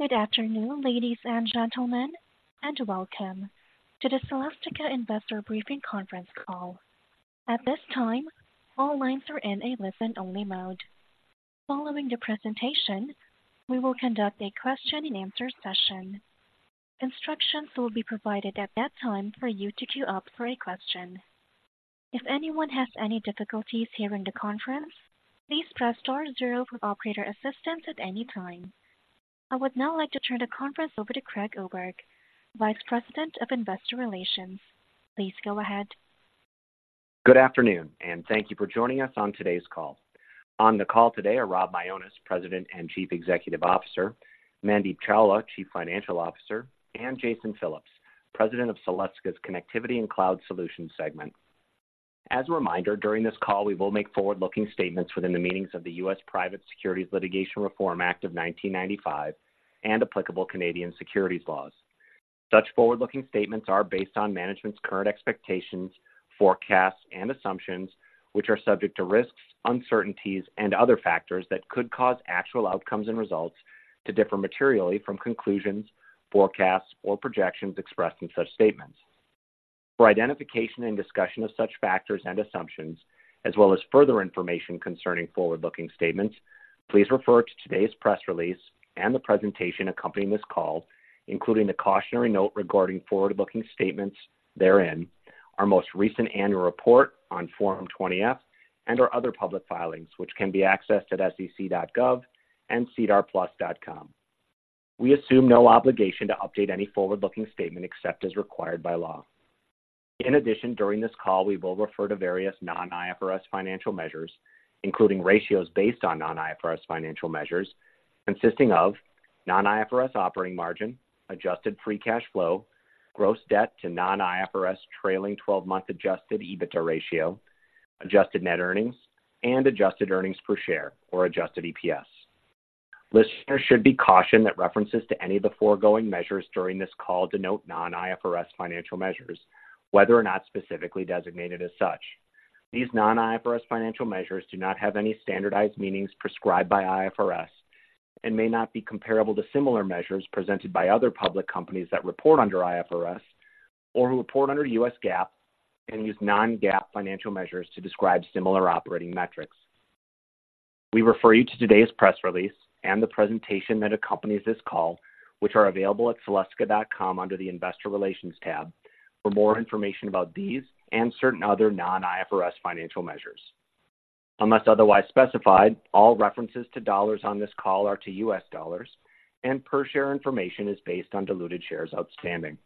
Good afternoon, ladies, and gentlemen, and welcome to the Celestica Investor Briefing Conference Call. At this time, all lines are in a listen-only mode. Following the presentation, we will conduct a question-and-answer session. Instructions will be provided at that time for you to queue up for a question. If anyone has any difficulties hearing the conference, please press star zero for operator assistance at any time. I would now like to turn the conference over to Craig Oberg, Vice President of Investor Relations. Please go ahead. Good afternoon, and thank you for joining us on today's call. On the call today are Rob Mionis, President and Chief Executive Officer, Mandeep Chawla, Chief Financial Officer, and Jason Phillips, President of Celestica's Connectivity and Cloud Solutions segment. As a reminder, during this call, we will make forward-looking statements within the meanings of the U.S. Private Securities Litigation Reform Act of 1995 and applicable Canadian securities laws. Such forward-looking statements are based on management's current expectations, forecasts, and assumptions, which are subject to risks, uncertainties, and other factors that could cause actual outcomes and results to differ materially from conclusions, forecasts, or projections expressed in such statements. For identification and discussion of such factors and assumptions, as well as further information concerning forward-looking statements, please refer to today's press release and the presentation accompanying this call, including the cautionary note regarding forward-looking statements therein, our most recent annual report on Form 20-F, and our other public filings, which can be accessed at sec.gov and sedarplus.ca. We assume no obligation to update any forward-looking statement except as required by law. In addition, during this call, we will refer to various non-IFRS financial measures, including ratios based on non-IFRS financial measures, consisting of non-IFRS operating margin, adjusted free cash flow, gross debt to non-IFRS trailing 12-month Adjusted EBITDA ratio, adjusted net earnings, and adjusted earnings per share or Adjusted EPS. Listeners should be cautioned that references to any of the foregoing measures during this call denote non-IFRS financial measures, whether or not specifically designated as such. These non-IFRS financial measures do not have any standardized meanings prescribed by IFRS and may not be comparable to similar measures presented by other public companies that report under IFRS or who report under U.S. GAAP and use non-GAAP financial measures to describe similar operating metrics. We refer you to today's press release and the presentation that accompanies this call, which are available at Celestica.com under the Investor Relations tab, for more information about these and certain other non-IFRS financial measures. Unless otherwise specified, all references to dollars on this call are to U.S. dollars, and per share information is based on diluted shares outstanding.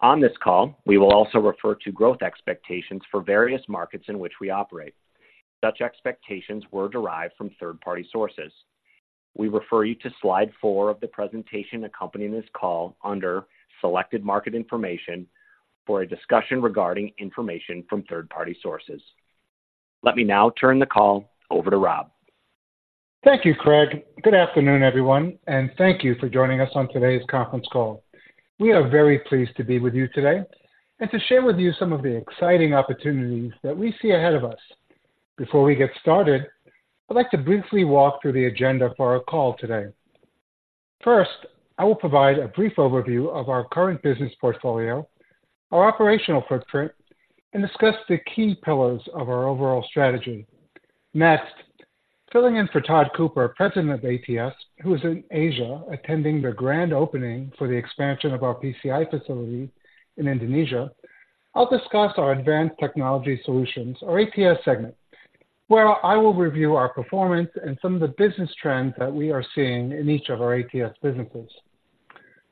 On this call, we will also refer to growth expectations for various markets in which we operate. Such expectations were derived from third-party sources. We refer you to slide four of the presentation accompanying this call under Selected Market Information for a discussion regarding information from third-party sources. Let me now turn the call over to Rob. Thank you, Craig. Good afternoon, everyone, and thank you for joining us on today's conference call. We are very pleased to be with you today and to share with you some of the exciting opportunities that we see ahead of us. Before we get started, I'd like to briefly walk through the agenda for our call today. First, I will provide a brief overview of our current business portfolio, our operational footprint, and discuss the key pillars of our overall strategy. Next, filling in for Todd Cooper, President of ATS, who is in Asia attending the grand opening for the expansion of our PCI facility in Indonesia, I'll discuss our Advanced Technology Solutions, or ATS segment, where I will review our performance and some of the business trends that we are seeing in each of our ATS businesses.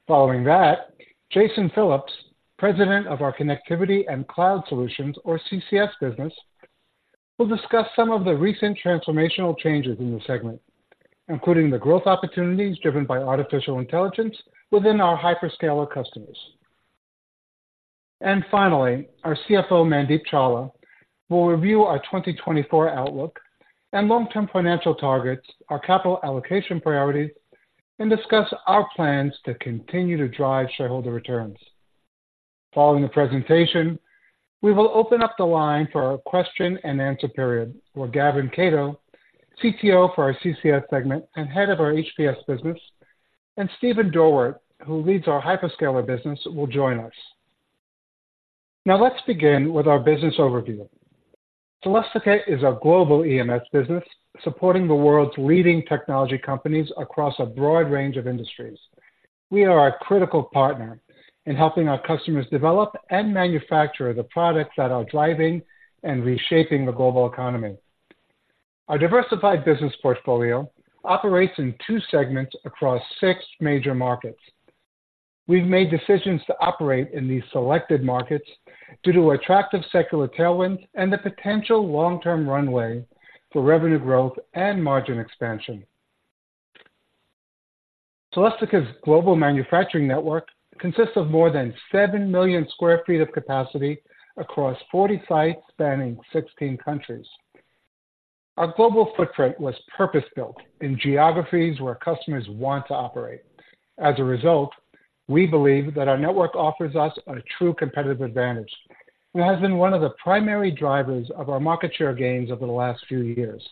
Following that, Jason Phillips, President of our Connectivity and Cloud Solutions, or CCS business, will discuss some of the recent transformational changes in the segment, including the growth opportunities driven by artificial intelligence within our Hyperscaler customers. And finally, our CFO, Mandeep Chawla, will review our 2024 outlook and long-term financial targets, our capital allocation priorities, and discuss our plans to continue to drive shareholder returns. Following the presentation, we will open up the line for our question-and-answer period, where Gavin Cato, CTO for our CCS segment and Head of our HPS business, and Steve Dorwart, who leads our Hyperscaler business, will join us. Now, let's begin with our business overview. Celestica is a global EMS business supporting the world's leading technology companies across a broad range of industries. We are a critical partner in helping our customers develop and manufacture the products that are driving and reshaping the global economy. Our diversified business portfolio operates in two segments across six major markets. We've made decisions to operate in these selected markets due to attractive secular tailwinds and the potential long-term runway for revenue growth and margin expansion. Celestica's global manufacturing network consists of more than 7 million sq ft of capacity across 40 sites spanning 16 countries. Our global footprint was purpose-built in geographies where customers want to operate. As a result, we believe that our network offers us a true competitive advantage, and has been one of the primary drivers of our market share gains over the last few years.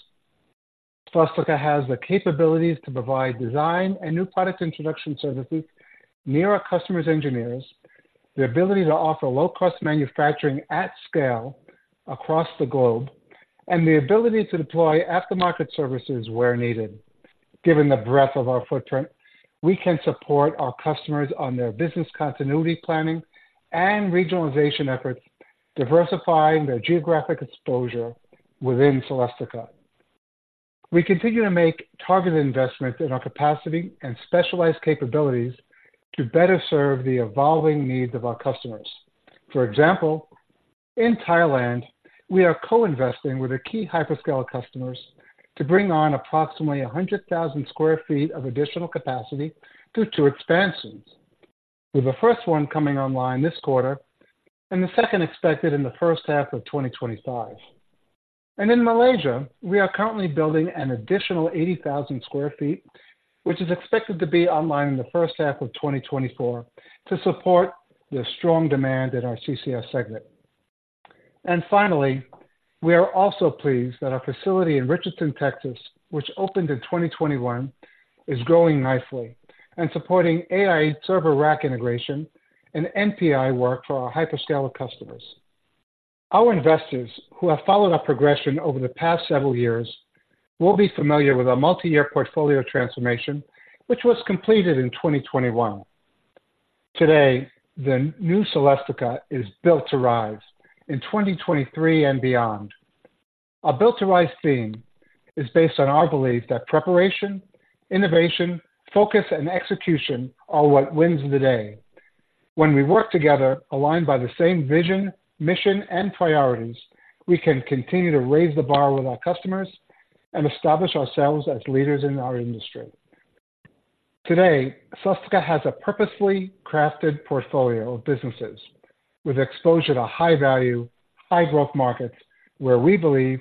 Celestica has the capabilities to provide design and new product introduction services near our customers' engineers, the ability to offer low-cost manufacturing at scale across the globe, and the ability to deploy aftermarket services where needed. Given the breadth of our footprint, we can support our customers on their business continuity planning and regionalization efforts, diversifying their geographic exposure within Celestica. We continue to make targeted investments in our capacity and specialized capabilities to better serve the evolving needs of our customers. For example, in Thailand, we are co-investing with our key Hyperscaler customers to bring on approximately 100,000 sq ft of additional capacity through two expansions, with the first one coming online this quarter and the second expected in the first half of 2025. In Malaysia, we are currently building an additional 80,000 sq ft, which is expected to be online in the first half of 2024, to support the strong demand in our CCS segment. Finally, we are also pleased that our facility in Richardson, Texas, which opened in 2021, is growing nicely and supporting AI server rack integration and NPI work for our Hyperscaler customers. Our investors, who have followed our progression over the past several years, will be familiar with our multi-year portfolio transformation, which was completed in 2021. Today, the new Celestica is Built to Rise in 2023 and beyond. Our Built to Rise theme is based on our belief that preparation, innovation, focus, and execution are what wins the day. When we work together, aligned by the same vision, mission, and priorities, we can continue to raise the bar with our customers and establish ourselves as leaders in our industry. Today, Celestica has a purposely crafted portfolio of businesses with exposure to high value, high growth markets, where we believe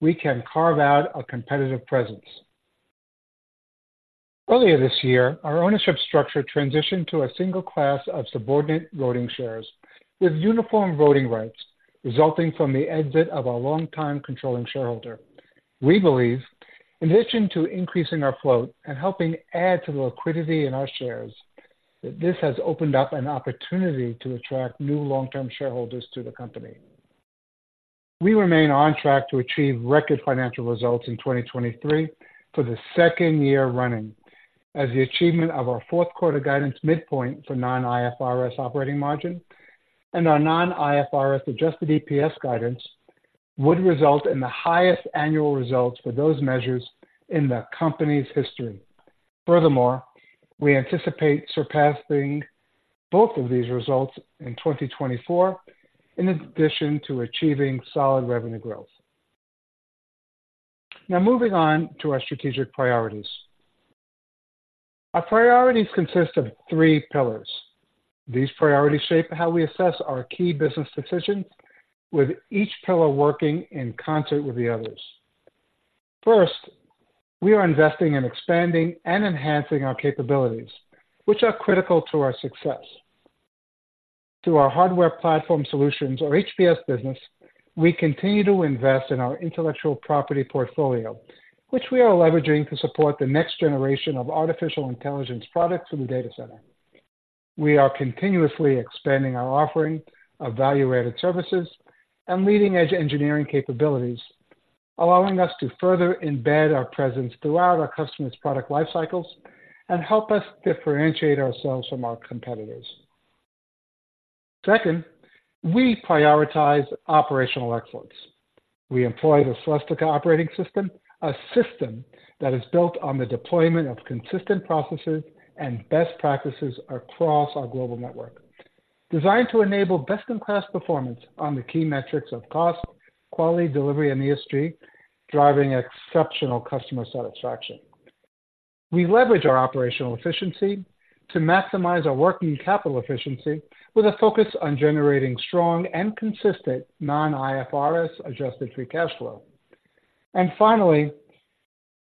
we can carve out a competitive presence. Earlier this year, our ownership structure transitioned to a single class of subordinate voting shares, with uniform voting rights resulting from the exit of our longtime controlling shareholder. We believe, in addition to increasing our float and helping add to the liquidity in our shares, that this has opened up an opportunity to attract new long-term shareholders to the company. We remain on track to achieve record financial results in 2023 for the second year running, as the achievement of our fourth quarter guidance midpoint for non-IFRS operating margin and our non-IFRS Adjusted EPS guidance would result in the highest annual results for those measures in the company's history. Furthermore, we anticipate surpassing both of these results in 2024, in addition to achieving solid revenue growth. Now, moving on to our strategic priorities. Our priorities consist of three pillars. These priorities shape how we assess our key business decisions, with each pillar working in concert with the others. First, we are investing in expanding and enhancing our capabilities, which are critical to our Hardware Platform Solutions, or HPS business, we continue to invest in our intellectual property portfolio, which we are leveraging to support the next generation of artificial intelligence products in the data center. We are continuously expanding our offering of value-added services and leading-edge engineering capabilities, allowing us to further embed our presence throughout our customers' product life cycles and help us differentiate ourselves from our competitors. Second, we prioritize operational excellence. We employ the Celestica Operating System, a system that is built on the deployment of consistent processes and best practices across our global network, designed to enable best-in-class performance on the key metrics of cost, quality, delivery, and ESG, driving exceptional customer satisfaction. We leverage our operational efficiency to maximize our working capital efficiency, with a focus on generating strong and consistent non-IFRS adjusted free cash flow. And finally,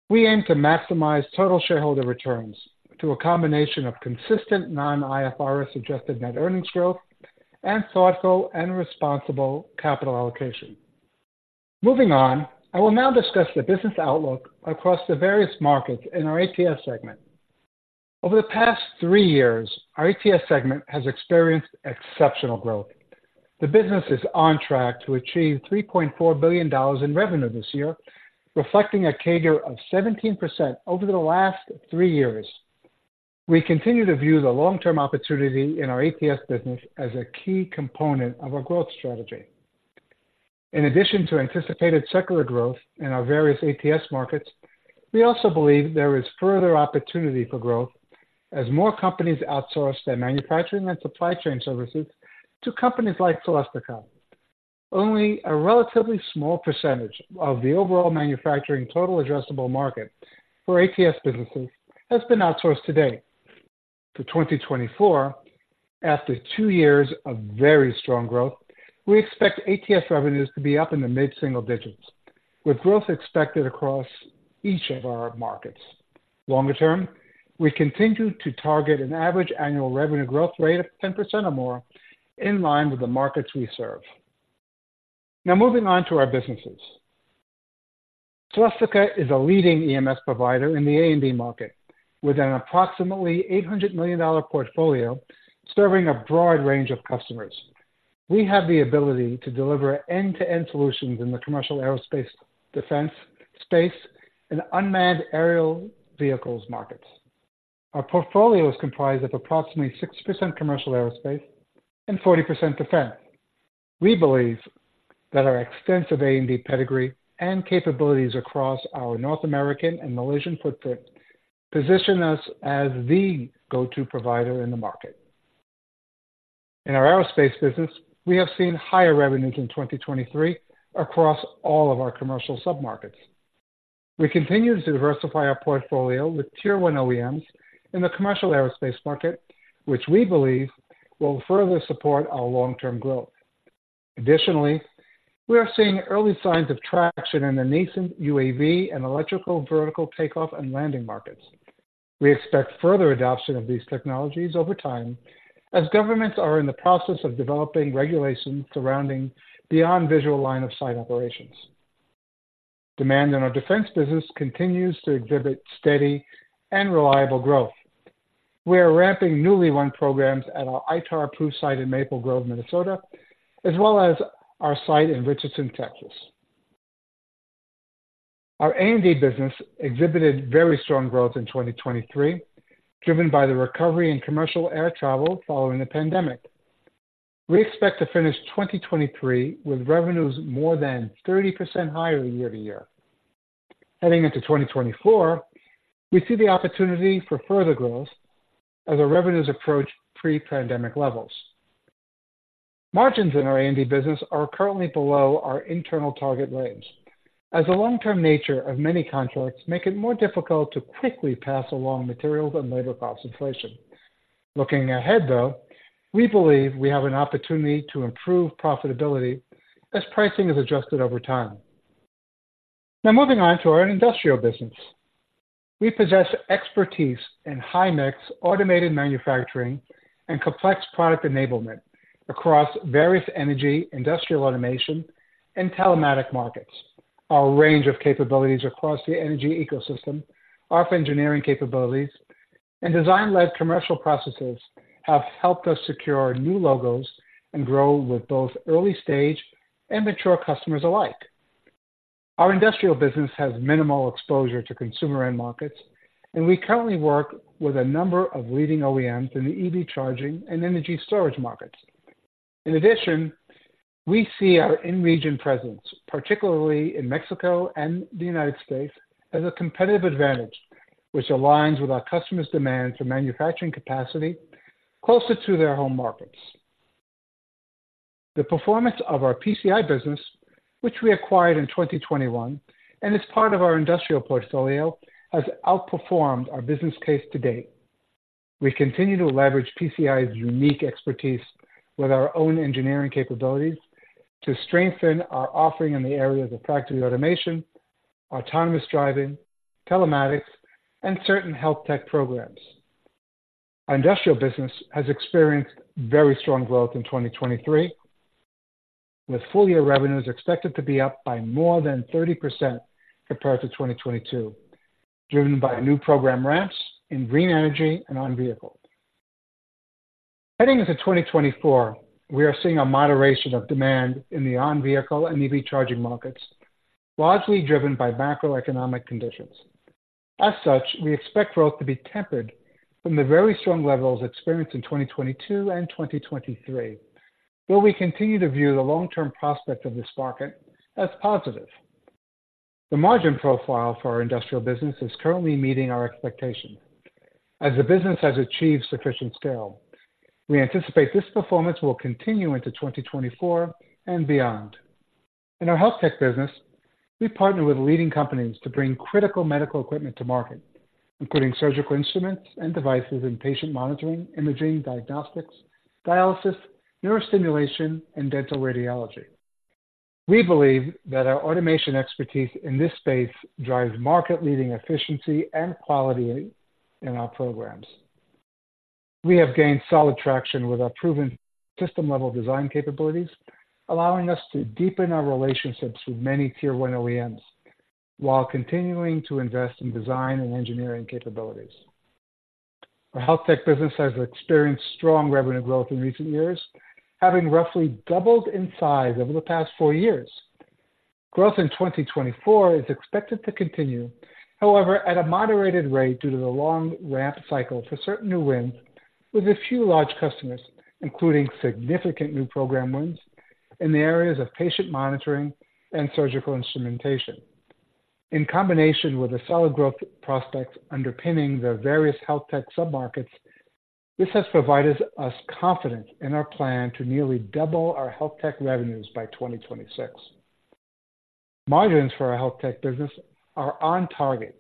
we aim to maximize total shareholder returns through a combination of consistent non-IFRS adjusted net earnings growth and thoughtful and responsible capital allocation. Moving on, I will now discuss the business outlook across the various markets in our ATS segment. Over the past three years, our ATS segment has experienced exceptional growth. The business is on track to achieve $3.4 billion in revenue this year, reflecting a CAGR of 17% over the last three years. We continue to view the long-term opportunity in our ATS business as a key component of our growth strategy. In addition to anticipated secular growth in our various ATS markets, we also believe there is further opportunity for growth as more companies outsource their manufacturing and supply chain services to companies like Celestica. Only a relatively small percentage of the overall manufacturing total addressable market for ATS businesses has been outsourced to date. For 2024... After two years of very strong growth, we expect ATS revenues to be up in the mid-single digits, with growth expected across each of our markets. Longer term, we continue to target an average annual revenue growth rate of 10% or more in line with the markets we serve. Now, moving on to our businesses. Celestica is a leading EMS provider in the A&D market, with an approximately $800 million portfolio serving a broad range of customers. We have the ability to deliver end-to-end solutions in the commercial Aerospace, Defense, Space, and Unmanned Aerial Vehicles markets. Our portfolio is comprised of approximately 60% commercial Aerospace and 40% Defense. We believe that our extensive A&D pedigree and capabilities across our North American and Malaysian footprint position us as the go-to provider in the market. In our Aerospace business, we have seen higher revenues in 2023 across all of our commercial submarkets. We continue to diversify our portfolio with Tier 1 OEMs in the commercial Aerospace market, which we believe will further support our long-term growth. Additionally, we are seeing early signs of traction in the nascent UAV and Electric Vertical Takeoff and Landing markets. We expect further adoption of these technologies over time as governments are in the process of developing regulations surrounding beyond visual line of sight operations. Demand in our Defense business continues to exhibit steady and reliable growth. We are ramping newly won programs at our ITAR-approved site in Maple Grove, Minnesota, as well as our site in Richardson, Texas. Our A&D business exhibited very strong growth in 2023, driven by the recovery in commercial air travel following the pandemic. We expect to finish 2023 with revenues more than 30% higher year-over-year. Heading into 2024, we see the opportunity for further growth as our revenues approach pre-pandemic levels. Margins in our A&D business are currently below our internal target range, as the long-term nature of many contracts make it more difficult to quickly pass along materials and labor cost inflation. Looking ahead, though, we believe we have an opportunity to improve profitability as pricing is adjusted over time. Now, moving on to our industrial business. We possess expertise in high-mix, automated manufacturing and complex product enablement across various energy, industrial automation, and telematics markets. Our range of capabilities across the energy ecosystem, our engineering capabilities, and design-led commercial processes have helped us secure new logos and grow with both early-stage and mature customers alike. Our industrial business has minimal exposure to consumer end markets, and we currently work with a number of leading OEMs in the EV charging and energy storage markets. In addition, we see our in-region presence, particularly in Mexico and the U.S., as a competitive advantage, which aligns with our customers' demand for manufacturing capacity closer to their home markets. The performance of our PCI business, which we acquired in 2021 and is part of our industrial portfolio, has outperformed our business case to date. We continue to leverage PCI's unique expertise with our own engineering capabilities to strengthen our offering in the areas of factory automation, autonomous driving, telematics, and certain health tech programs. Our industrial business has experienced very strong growth in 2023, with full-year revenues expected to be up by more than 30% compared to 2022, driven by new program ramps in green energy and on-vehicle. Heading into 2024, we are seeing a moderation of demand in the on-vehicle and EV charging markets, largely driven by macroeconomic conditions. As such, we expect growth to be tempered from the very strong levels experienced in 2022 and 2023, though we continue to view the long-term prospect of this market as positive. The margin profile for our industrial business is currently meeting our expectations as the business has achieved sufficient scale. We anticipate this performance will continue into 2024 and beyond. In our health tech business, we partner with leading companies to bring critical medical equipment to market, including surgical instruments and devices in patient monitoring, imaging, diagnostics, dialysis, neurostimulation, and dental radiology. We believe that our automation expertise in this space drives market-leading efficiency and quality in our programs. We have gained solid traction with our proven system-level design capabilities, allowing us to deepen our relationships with many Tier 1 OEMs, while continuing to invest in design and engineering capabilities. Our health tech business has experienced strong revenue growth in recent years, having roughly doubled in size over the past four years. Growth in 2024 is expected to continue, however, at a moderated rate due to the long ramp cycle for certain new wins with a few large customers, including significant new program wins in the areas of patient monitoring and surgical instrumentation. In combination with the solid growth prospects underpinning the various health tech submarkets, this has provided us confidence in our plan to nearly double our health tech revenues by 2026. Margins for our health tech business are on target,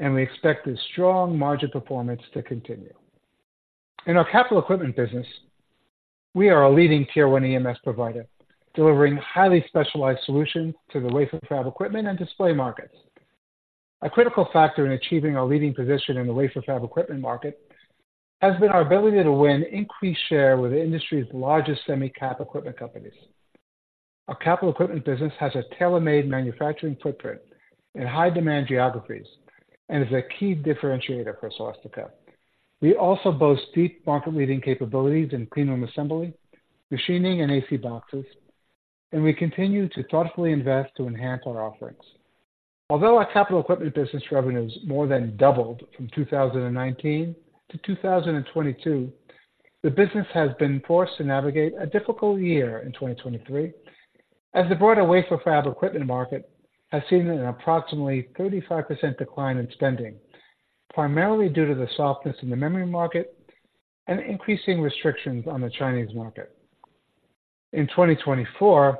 and we expect this strong margin performance to continue. In our capital equipment business, we are a leading Tier 1 EMS provider, delivering highly specialized solutions to the wafer fab equipment and display markets. A critical factor in achieving our leading position in the wafer fab equipment market has been our ability to win increased share with the industry's largest semicap equipment companies. Our capital equipment business has a tailor-made manufacturing footprint in high demand geographies and is a key differentiator for Celestica. We also boast deep market-leading capabilities in clean room assembly, machining, and AC boxes, and we continue to thoughtfully invest to enhance our offerings. Although our capital equipment business revenues more than doubled from 2019 to 2022, the business has been forced to navigate a difficult year in 2023, as the broader wafer fab equipment market has seen an approximately 35% decline in spending, primarily due to the softness in the memory market and increasing restrictions on the Chinese market. In 2024,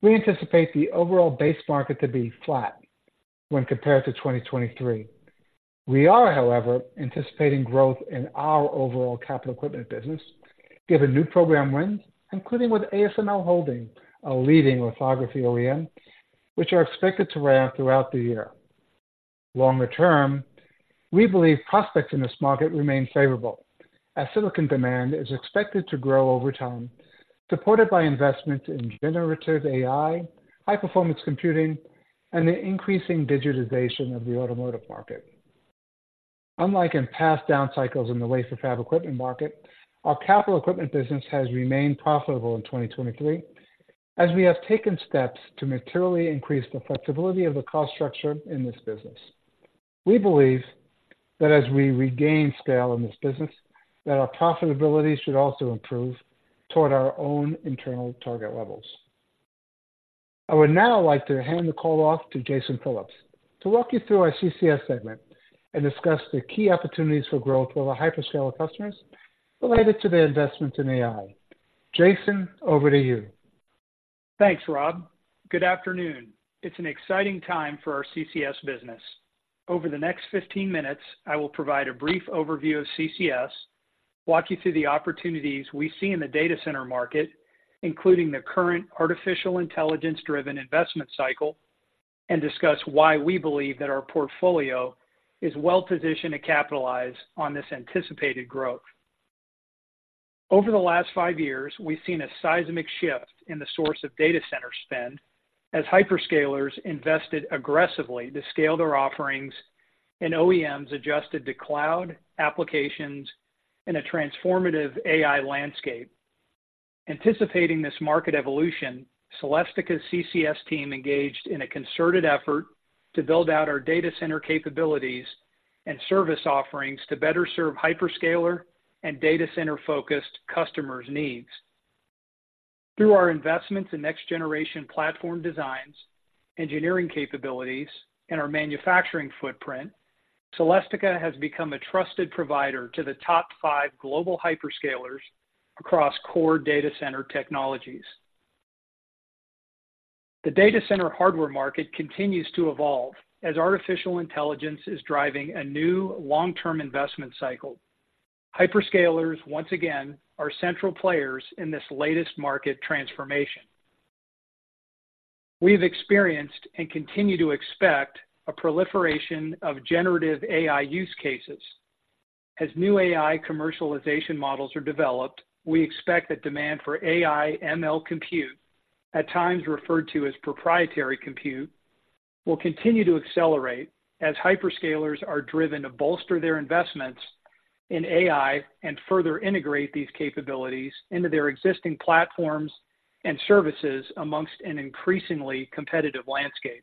we anticipate the overall base market to be flat when compared to 2023. We are, however, anticipating growth in our overall capital equipment business, given new program wins, including with ASML Holding, a leading lithography OEM, which are expected to ramp throughout the year. Longer term, we believe prospects in this market remain favorable, as silicon demand is expected to grow over time, supported by investment in generative AI, high-performance computing, and the increasing digitization of the automotive market. Unlike in past down cycles in the Wafer Fab Equipment market, our capital equipment business has remained profitable in 2023, as we have taken steps to materially increase the flexibility of the cost structure in this business. We believe that as we regain scale in this business, that our profitability should also improve toward our own internal target levels. I would now like to hand the call off to Jason Phillips to walk you through our CCS segment and discuss the key opportunities for growth with our Hyperscaler customers related to their investment in AI. Jason, over to you. Thanks, Rob. Good afternoon. It's an exciting time for our CCS business. Over the next 15 minutes, I will provide a brief overview of CCS, walk you through the opportunities we see in the data center market, including the current artificial intelligence-driven investment cycle, and discuss why we believe that our portfolio is well-positioned to capitalize on this anticipated growth. Over the last five years, we've seen a seismic shift in the source of data center spend as Hyperscalers invested aggressively to scale their offerings and OEMs adjusted to cloud applications in a transformative AI landscape. Anticipating this market evolution, Celestica's CCS team engaged in a concerted effort to build out our data center capabilities and service offerings to better serve Hyperscaler and data center-focused customers' needs. Through our investments in next-generation platform designs, engineering capabilities, and our manufacturing footprint, Celestica has become a trusted provider to the top five global Hyperscalers across core data center technologies. The data center hardware market continues to evolve as artificial intelligence is driving a new long-term investment cycle. Hyperscalers, once again, are central players in this latest market transformation. We've experienced, and continue to expect, a proliferation of generative AI use cases. As new AI commercialization models are developed, we expect that demand for AI/ML Compute, at times referred to as proprietary compute, will continue to accelerate as Hyperscalers are driven to bolster their investments in AI and further integrate these capabilities into their existing platforms and services amongst an increasingly competitive landscape.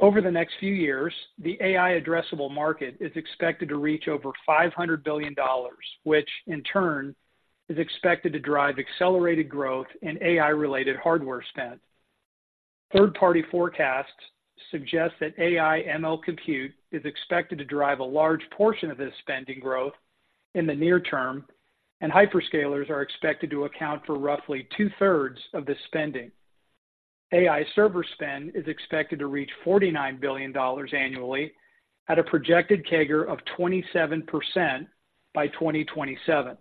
Over the next few years, the AI addressable market is expected to reach over $500 billion, which in turn is expected to drive accelerated growth in AI-related hardware spend. Third-party forecasts suggest that AI/ML compute is expected to drive a large portion of this spending growth in the near term, and Hyperscalers are expected to account for roughly 2/3 of the spending. AI server spend is expected to reach $49 billion annually at a projected CAGR of 27% by 2027.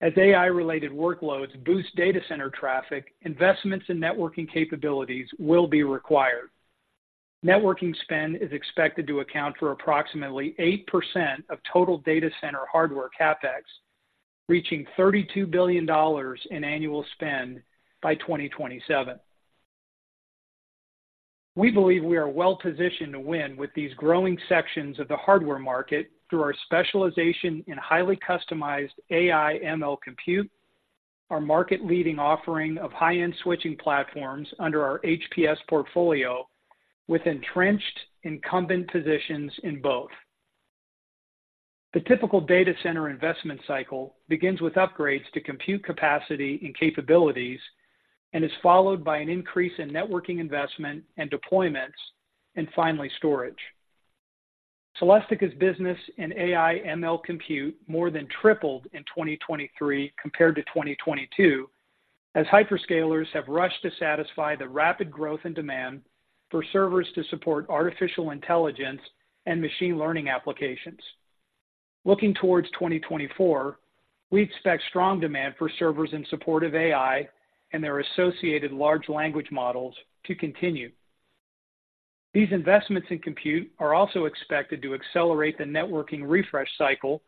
As AI-related workloads boost data center traffic, investments in networking capabilities will be required. Networking spend is expected to account for approximately 8% of total data center hardware CapEx, reaching $32 billion in annual spend by 2027. We believe we are well positioned to win with these growing sections of the hardware market through our specialization in highly customized AI/ML Compute, our market-leading offering of high-end switching platforms under our HPS portfolio, with entrenched incumbent positions in both. The typical data center investment cycle begins with upgrades to compute capacity and capabilities and is followed by an increase in networking, investment and deployments, and finally, storage. Celestica's business in AI/ML Compute more than tripled in 2023 compared to 2022, as Hyperscalers have rushed to satisfy the rapid growth in demand for servers to support artificial intelligence and machine learning applications. Looking towards 2024, we expect strong demand for servers in support of AI and their associated large language models to continue. These investments in compute are also expected to accelerate the networking refresh cycle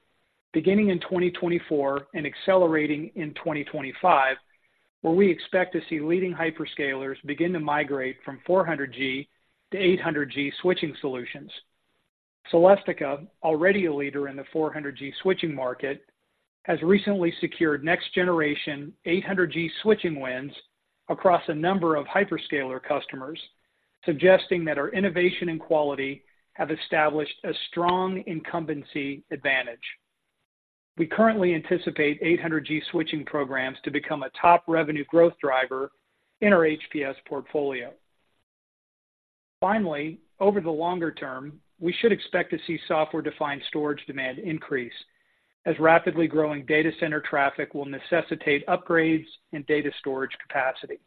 beginning in 2024 and accelerating in 2025, where we expect to see leading Hyperscalers begin to migrate from 400 Gb to 800 Gb switching solutions. Celestica, already a leader in the 400 Gb switching market, has recently secured next generation 800 Gb switching wins across a number of Hyperscaler customers, suggesting that our innovation and quality have established a strong incumbency advantage. We currently anticipate 800 Gb switching programs to become a top revenue growth driver in our HPS portfolio. Finally, over the longer term, we should expect to see software-defined storage demand increase, as rapidly growing data center traffic will necessitate upgrades and data storage capacity.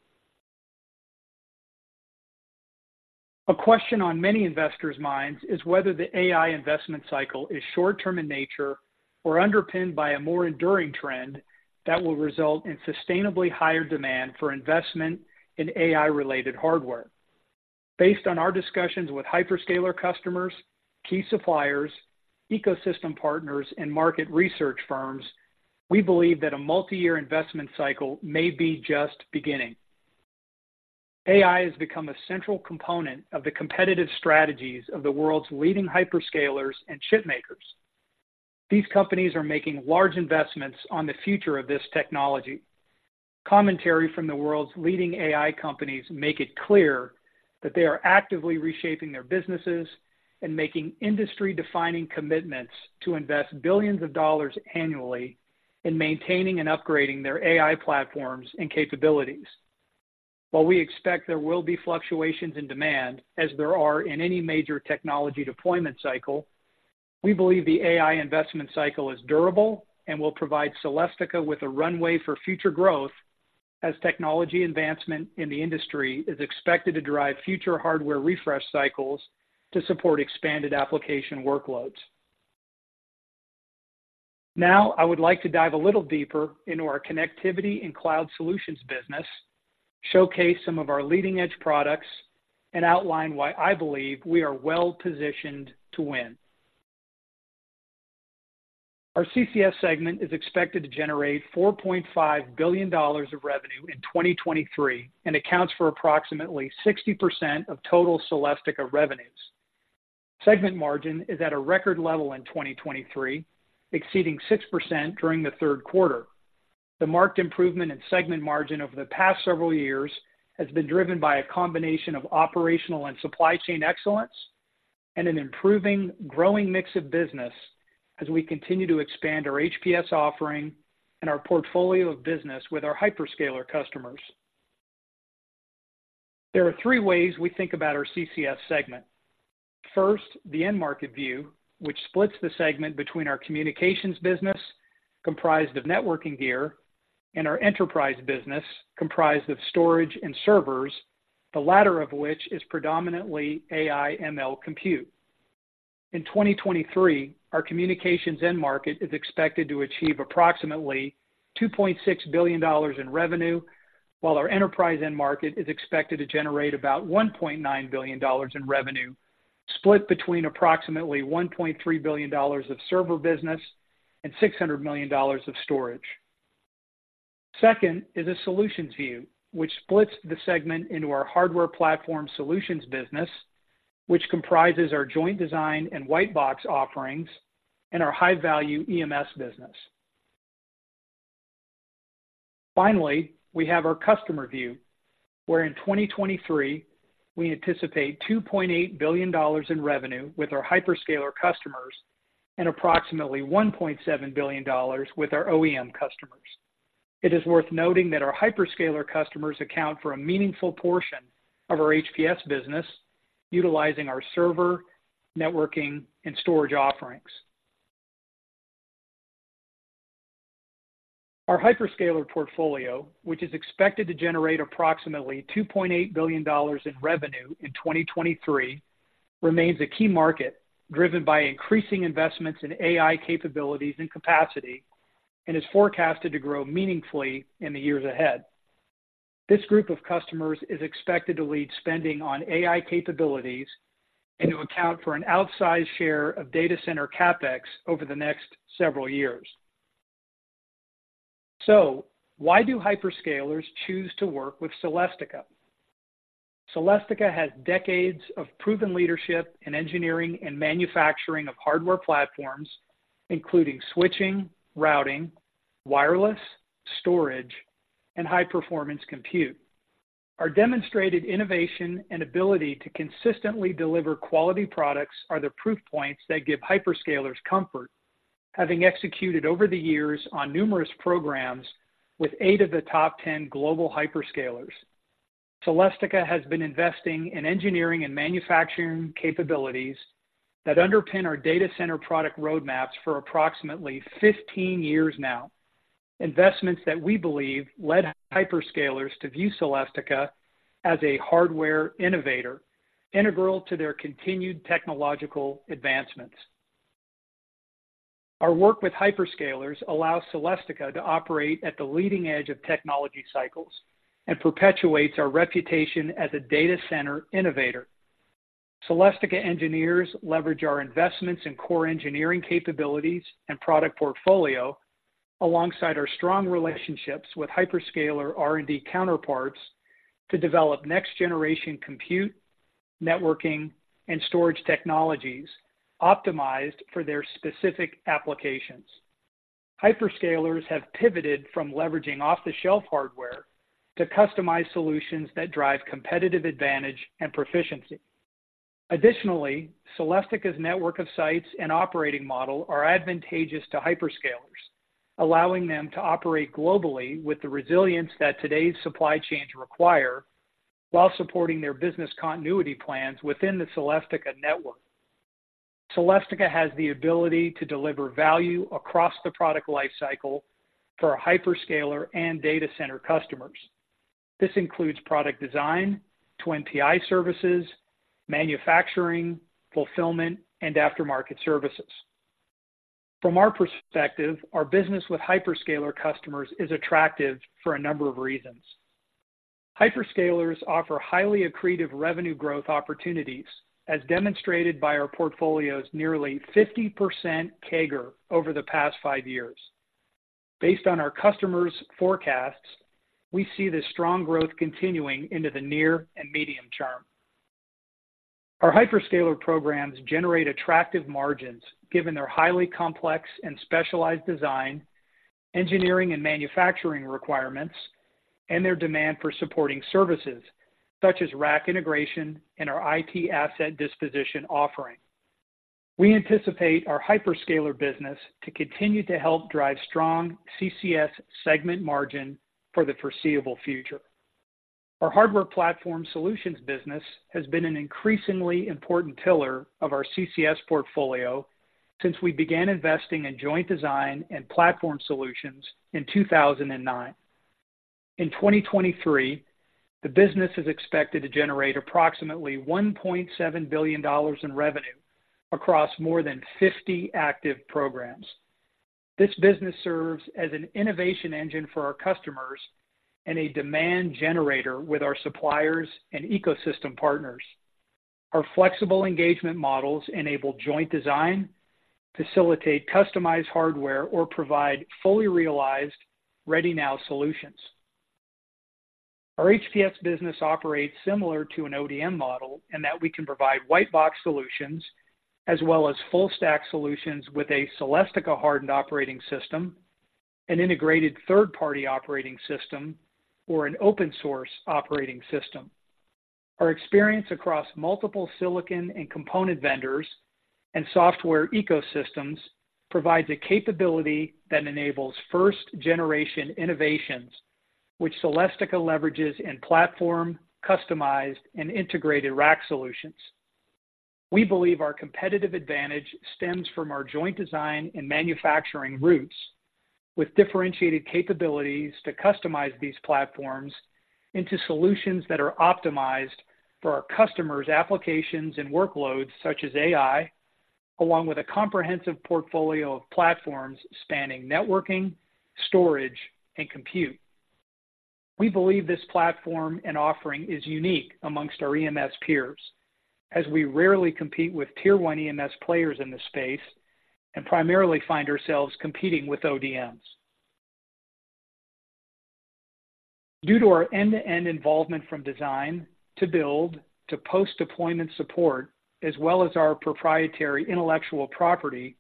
A question on many investors' minds is whether the AI investment cycle is short-term in nature or underpinned by a more enduring trend that will result in sustainably higher demand for investment in AI-related hardware. Based on our discussions with Hyperscaler customers, key suppliers, ecosystem partners, and market research firms, we believe that a multi-year investment cycle may be just beginning. AI has become a central component of the competitive strategies of the world's leading Hyperscalers and chipmakers. These companies are making large investments on the future of this technology. Commentary from the world's leading AI companies make it clear that they are actively reshaping their businesses and making industry-defining commitments to invest billions of dollars annually in maintaining and upgrading their AI platforms and capabilities. While we expect there will be fluctuations in demand, as there are in any major technology deployment cycle, we believe the AI investment cycle is durable and will provide Celestica with a runway for future growth, as technology advancement in the industry is expected to drive future hardware refresh cycles to support expanded application workloads. Now, I would like to dive a little deeper into our Connectivity and Cloud Solutions business, showcase some of our leading-edge products, and outline why I believe we are well-positioned to win. Our CCS segment is expected to generate $4.5 billion of revenue in 2023 and accounts for approximately 60% of total Celestica revenues. Segment margin is at a record level in 2023, exceeding 6% during the third quarter. The marked improvement in segment margin over the past several years has been driven by a combination of operational and supply chain excellence and an improving, growing mix of business as we continue to expand our HPS offering and our portfolio of business with our Hyperscaler customers. There are three ways we think about our CCS segment. First, the end market view, which splits the segment between our communications business, comprised of networking gear, and our enterprise business, comprised of storage and servers, the latter of which is predominantly AI/ML compute. In 2023, our communications end market is expected to achieve approximately $2.6 billion in revenue, while our enterprise end market is expected to generate about $1.9 billion in revenue, split between approximately $1.3 billion of server business and $600 million of storage. Second is a solutions view, which splits the Hardware Platform Solutions business, which comprises our joint design and white box offerings and our high-value EMS business. Finally, we have our customer view, where in 2023, we anticipate $2.8 billion in revenue with our Hyperscaler customers and approximately $1.7 billion with our OEM customers. It is worth noting that our Hyperscaler customers account for a meaningful portion of our HPS business, utilizing our server, networking, and storage offerings. Our Hyperscaler portfolio, which is expected to generate approximately $2.8 billion in revenue in 2023, remains a key market, driven by increasing investments in AI capabilities and capacity and is forecasted to grow meaningfully in the years ahead. This group of customers is expected to lead spending on AI capabilities and to account for an outsized share of data center CapEx over the next several years. So why do Hyperscalers choose to work with Celestica? Celestica has decades of proven leadership in engineering and manufacturing of Hardware Platforms, including switching, routing, wireless, storage, and high-performance compute. Our demonstrated innovation and ability to consistently deliver quality products are the proof points that give Hyperscalers comfort, having executed over the years on numerous programs with eight of the top 10 global Hyperscalers.... Celestica has been investing in engineering and manufacturing capabilities that underpin our data center product roadmaps for approximately 15 years now. Investments that we believe led Hyperscalers to view Celestica as a hardware innovator, integral to their continued technological advancements. Our work with Hyperscalers allows Celestica to operate at the leading edge of technology cycles and perpetuates our reputation as a data center innovator. Celestica engineers leverage our investments in core engineering capabilities and product portfolio, alongside our strong relationships with Hyperscaler R&D counterparts, to develop next-generation compute, networking, and storage technologies optimized for their specific applications. Hyperscalers have pivoted from leveraging off-the-shelf hardware to customized solutions that drive competitive advantage and proficiency. Additionally, Celestica's network of sites and operating model are advantageous to Hyperscalers, allowing them to operate globally with the resilience that today's supply chains require, while supporting their business continuity plans within the Celestica network. Celestica has the ability to deliver value across the product life cycle for our Hyperscaler and data center customers. This includes product design to NPI services, manufacturing, fulfillment, and aftermarket services. From our perspective, our business with Hyperscaler customers is attractive for a number of reasons. Hyperscalers offer highly accretive revenue growth opportunities, as demonstrated by our portfolio's nearly 50% CAGR over the past five years. Based on our customers' forecasts, we see this strong growth continuing into the near and medium term. Our Hyperscaler programs generate attractive margins, given their highly complex and specialized design, engineering and manufacturing requirements, and their demand for supporting services, such as rack integration and our IT asset disposition offering. We anticipate our Hyperscaler business to continue to help drive strong CCS segment margin for the Hardware Platform Solutions business has been an increasingly important pillar of our CCS portfolio since we began investing in joint design and platform solutions in 2009. In 2023, the business is expected to generate approximately $1.7 billion in revenue across more than 50 active programs. This business serves as an innovation engine for our customers and a demand generator with our suppliers and ecosystem partners. Our flexible engagement models enable joint design, facilitate customized hardware, or provide fully realized, ready-now solutions. Our HPS business operates similar to an ODM model, in that we can provide white box solutions, as well as full-stack solutions with a Celestica hardened operating system, an integrated third-party operating system, or an open-source operating system. Our experience across multiple silicon and component vendors and software ecosystems provides a capability that enables first-generation innovations, which Celestica leverages in platform, customized, and integrated rack solutions. We believe our competitive advantage stems from our joint design and manufacturing roots, with differentiated capabilities to customize these platforms into solutions that are optimized for our customers' applications and workloads, such as AI, along with a comprehensive portfolio of platforms spanning networking, storage, and compute. We believe this platform and offering is unique among our EMS peers, as we rarely compete with Tier 1 EMS players in this space and primarily find ourselves competing with ODMs. Due to our end-to-end involvement from design to build to post-deployment support, as well as our proprietary intellectual property,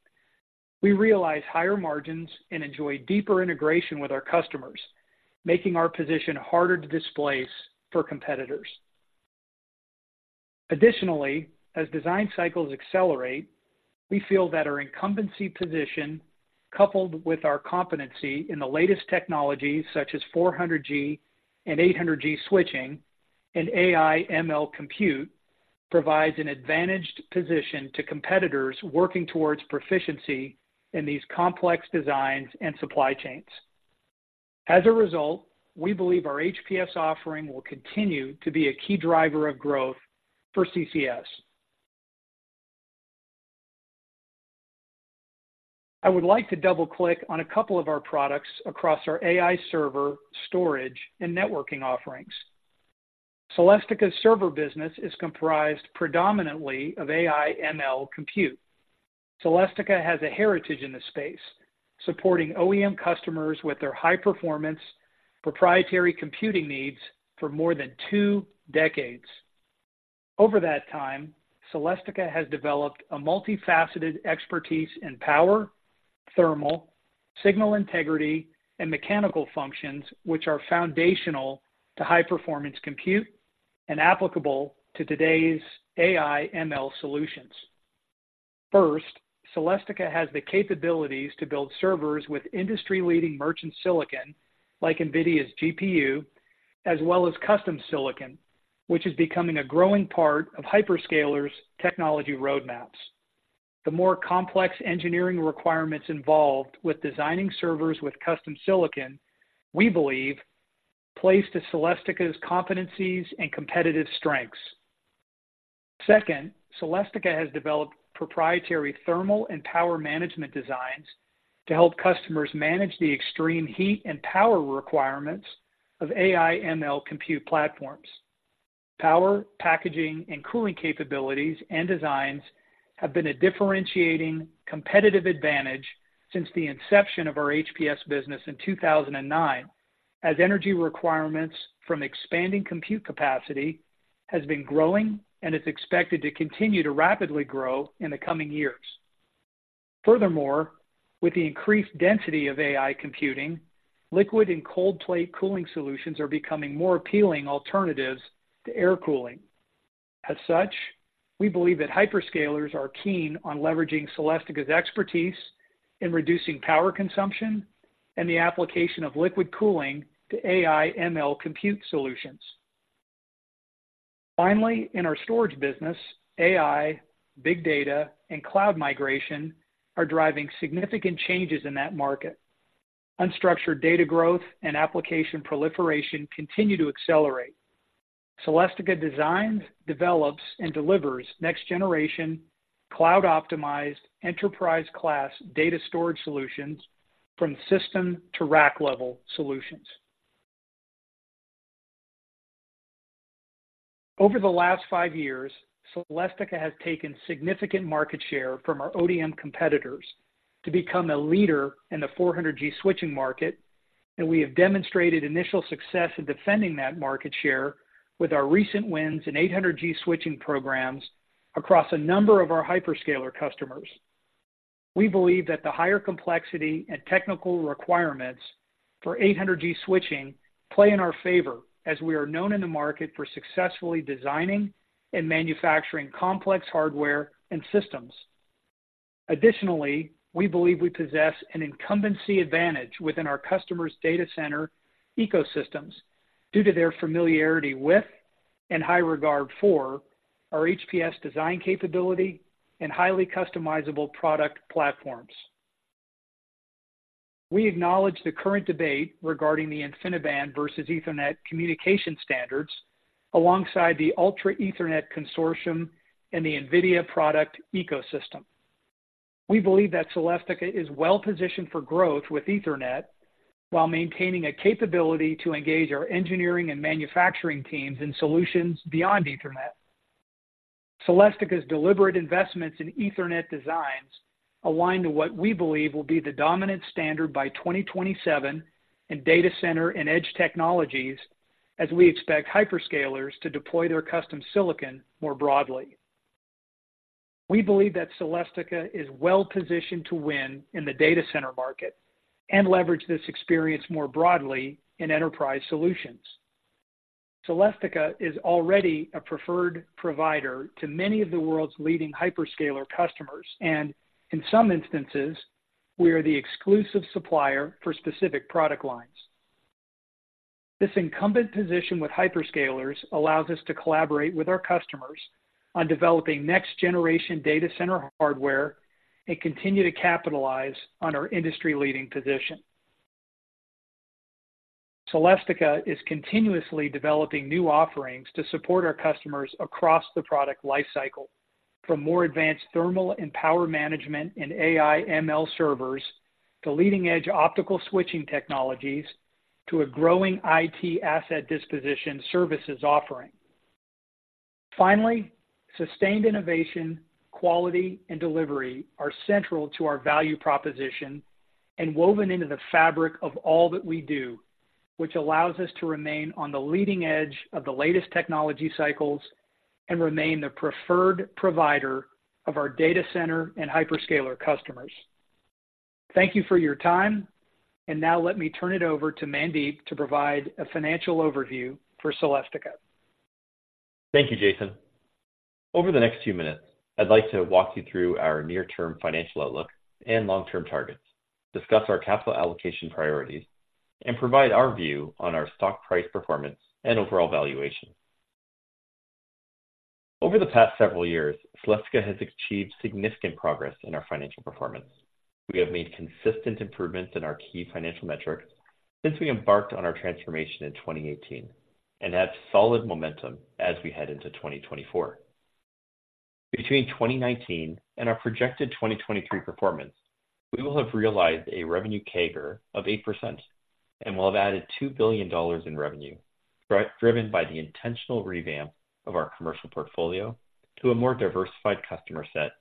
we realize higher margins and enjoy deeper integration with our customers, making our position harder to displace for competitors. Additionally, as design cycles accelerate, we feel that our incumbency position, coupled with our competency in the latest technologies, such as 400 Gb and 800 Gb switching and AI/ML compute, provides an advantaged position to competitors working towards proficiency in these complex designs and supply chains. As a result, we believe our HPS offering will continue to be a key driver of growth for CCS. I would like to double-click on a couple of our products across our AI server, storage, and networking offerings. Celestica's server business is comprised predominantly of AI/ML compute. Celestica has a heritage in this space, supporting OEM customers with their high-performance, proprietary computing needs for more than two decades. Over that time, Celestica has developed a multifaceted expertise in power, thermal, signal integrity, and mechanical functions, which are foundational to high-performance compute and applicable to today's AI/ML solutions.... First, Celestica has the capabilities to build servers with industry-leading merchant silicon, like NVIDIA's GPU, as well as custom silicon, which is becoming a growing part of Hyperscalers' technology roadmaps. The more complex engineering requirements involved with designing servers with custom silicon, we believe, plays to Celestica's competencies and competitive strengths. Second, Celestica has developed proprietary thermal and power management designs to help customers manage the extreme heat and power requirements of AI/ML compute platforms. Power, packaging, and cooling capabilities and designs have been a differentiating competitive advantage since the inception of our HPS business in 2009, as energy requirements from expanding compute capacity has been growing and is expected to continue to rapidly grow in the coming years. Furthermore, with the increased density of AI computing, liquid and cold plate cooling solutions are becoming more appealing alternatives to air cooling. As such, we believe that Hyperscalers are keen on leveraging Celestica's expertise in reducing power consumption and the application of liquid cooling to AI/ML compute solutions. Finally, in our storage business, AI, big data, and cloud migration are driving significant changes in that market. Unstructured data growth and application proliferation continue to accelerate. Celestica designs, develops, and delivers next-generation, cloud-optimized, enterprise-class data storage solutions from system to rack-level solutions. Over the last five years, Celestica has taken significant market share from our ODM competitors to become a leader in the 400 Gb switching market, and we have demonstrated initial success in defending that market share with our recent wins in 800 Gb switching programs across a number of our Hyperscaler customers. We believe that the higher complexity and technical requirements for 800 Gb switching play in our favor, as we are known in the market for successfully designing and manufacturing complex hardware and systems. Additionally, we believe we possess an incumbency advantage within our customers' data center ecosystems due to their familiarity with and high regard for our HPS design capability and highly customizable product platforms. We acknowledge the current debate regarding the InfiniBand versus Ethernet communication standards, alongside the Ultra Ethernet Consortium and the NVIDIA product ecosystem. We believe that Celestica is well-positioned for growth with Ethernet, while maintaining a capability to engage our engineering and manufacturing teams in solutions beyond Ethernet. Celestica's deliberate investments in Ethernet designs align to what we believe will be the dominant standard by 2027 in data center and edge technologies, as we expect Hyperscalers to deploy their custom silicon more broadly. We believe that Celestica is well-positioned to win in the data center market and leverage this experience more broadly in enterprise solutions. Celestica is already a preferred provider to many of the world's leading Hyperscaler customers, and in some instances, we are the exclusive supplier for specific product lines. This incumbent position with Hyperscalers allows us to collaborate with our customers on developing next-generation data center hardware and continue to capitalize on our industry-leading position. Celestica is continuously developing new offerings to support our customers across the product life cycle, from more advanced thermal and power management in AI/ML servers, to leading-edge optical switching technologies, to a growing IT asset disposition services offering. Finally, sustained innovation, quality, and delivery are central to our value proposition and woven into the fabric of all that we do, which allows us to remain on the leading edge of the latest technology cycles and remain the preferred provider of our data center and Hyperscaler customers. Thank you for your time, and now let me turn it over to Mandeep to provide a financial overview for Celestica. Thank you, Jason. Over the next few minutes, I'd like to walk you through our near-term financial outlook and long-term targets, discuss our capital allocation priorities, and provide our view on our stock price, performance, and overall valuation. Over the past several years, Celestica has achieved significant progress in our financial performance. We have made consistent improvements in our key financial metrics since we embarked on our transformation in 2018, and have solid momentum as we head into 2024. Between 2019 and our projected 2023 performance, we will have realized a revenue CAGR of 8% and will have added $2 billion in revenue, driven by the intentional revamp of our commercial portfolio to a more diversified customer set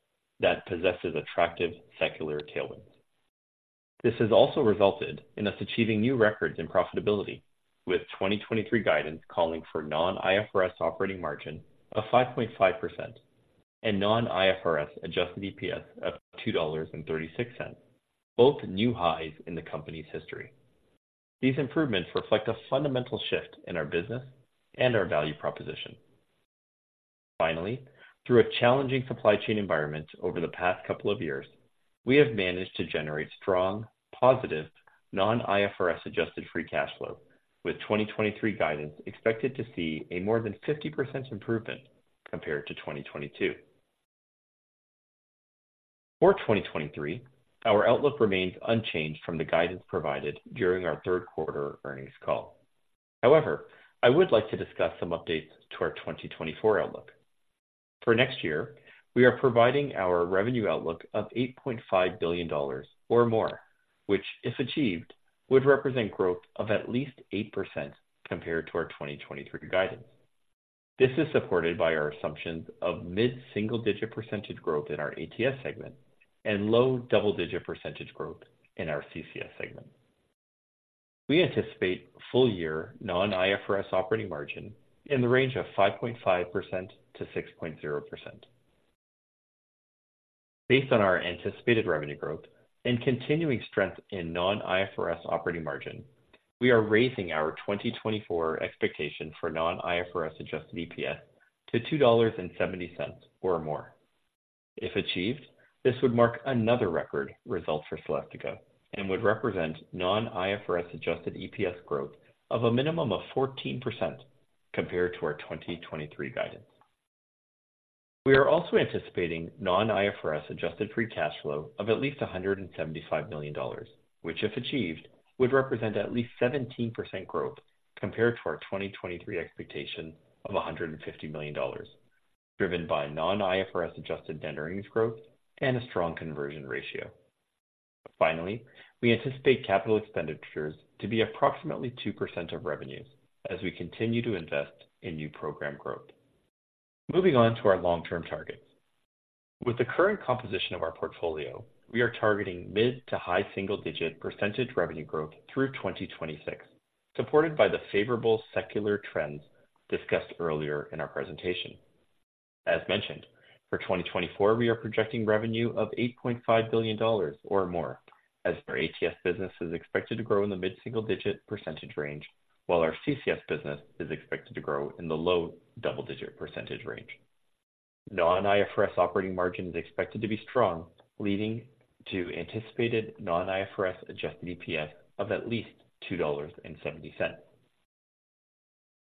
that possesses attractive secular tailwinds. This has also resulted in us achieving new records in profitability, with 2023 guidance calling for non-IFRS operating margin of 5.5% and non-IFRS Adjusted EPS of $2.36, both new highs in the company's history. These improvements reflect a fundamental shift in our business and our value proposition. Finally, through a challenging supply chain environment over the past couple of years, we have managed to generate strong, positive, non-IFRS adjusted free cash flow, with 2023 guidance expected to see a more than 50% improvement compared to 2022. For 2023, our outlook remains unchanged from the guidance provided during our third quarter earnings call. However, I would like to discuss some updates to our 2024 outlook. For next year, we are providing our revenue outlook of $8.5 billion or more, which, if achieved, would represent growth of at least 8% compared to our 2023 guidance. This is supported by our assumptions of mid-single digit % growth in our ATS segment and low double-digit % growth in our CCS segment. We anticipate full year non-IFRS operating margin in the range of 5.5%-6.0%. Based on our anticipated revenue growth and continuing strength in non-IFRS operating margin, we are raising our 2024 expectation for non-IFRS Adjusted EPS to $2.70 or more. If achieved, this would mark another record result for Celestica and would represent non-IFRS Adjusted EPS growth of a minimum of 14% compared to our 2023 guidance. We are also anticipating non-IFRS adjusted free cash flow of at least $175 million, which, if achieved, would represent at least 17% growth compared to our 2023 expectation of $150 million, driven by non-IFRS adjusted net earnings growth and a strong conversion ratio. Finally, we anticipate capital expenditures to be approximately 2% of revenues as we continue to invest in new program growth. Moving on to our long-term targets. With the current composition of our portfolio, we are targeting mid- to high-single-digit percentage revenue growth through 2026, supported by the favorable secular trends discussed earlier in our presentation. As mentioned, for 2024, we are projecting revenue of $8.5 billion or more, as our ATS business is expected to grow in the mid-single-digit percentage range, while our CCS business is expected to grow in the low double-digit percentage range. Non-IFRS operating margin is expected to be strong, leading to anticipated non-IFRS Adjusted EPS of at least $2.70.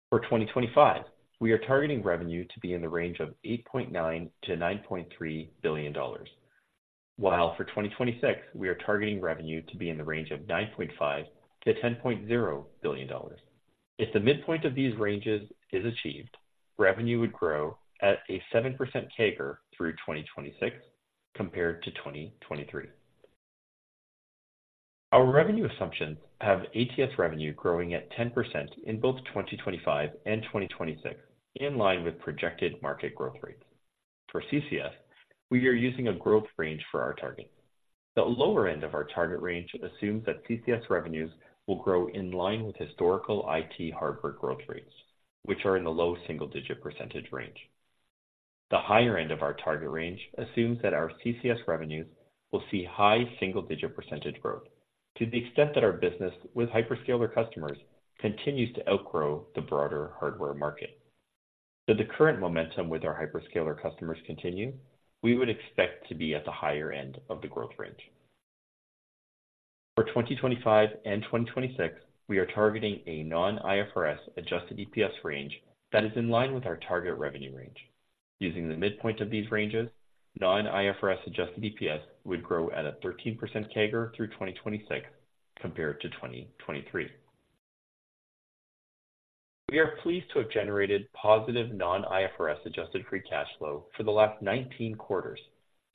For 2025, we are targeting revenue to be in the range of $8.9 billion-$9.3 billion, while for 2026, we are targeting revenue to be in the range of $9.5-$10.0 billion. If the midpoint of these ranges is achieved, revenue would grow at a 7% CAGR through 2026 compared to 2023. Our revenue assumptions have ATS revenue growing at 10% in both 2025 and 2026, in line with projected market growth rates. For CCS, we are using a growth range for our target. The lower end of our target range assumes that CCS revenues will grow in line with historical IT hardware growth rates, which are in the low single-digit percentage range. The higher end of our target range assumes that our CCS revenues will see high single-digit percentage growth to the extent that our business with Hyperscaler customers continues to outgrow the broader hardware market. Should the current momentum with our Hyperscaler customers continue, we would expect to be at the higher end of the growth range. For 2025 and 2026, we are targeting a non-IFRS Adjusted EPS range that is in line with our target revenue range. Using the midpoint of these ranges, non-IFRS Adjusted EPS would grow at a 13% CAGR through 2026 compared to 2023. We are pleased to have generated positive non-IFRS adjusted free cash flow for the last 19 quarters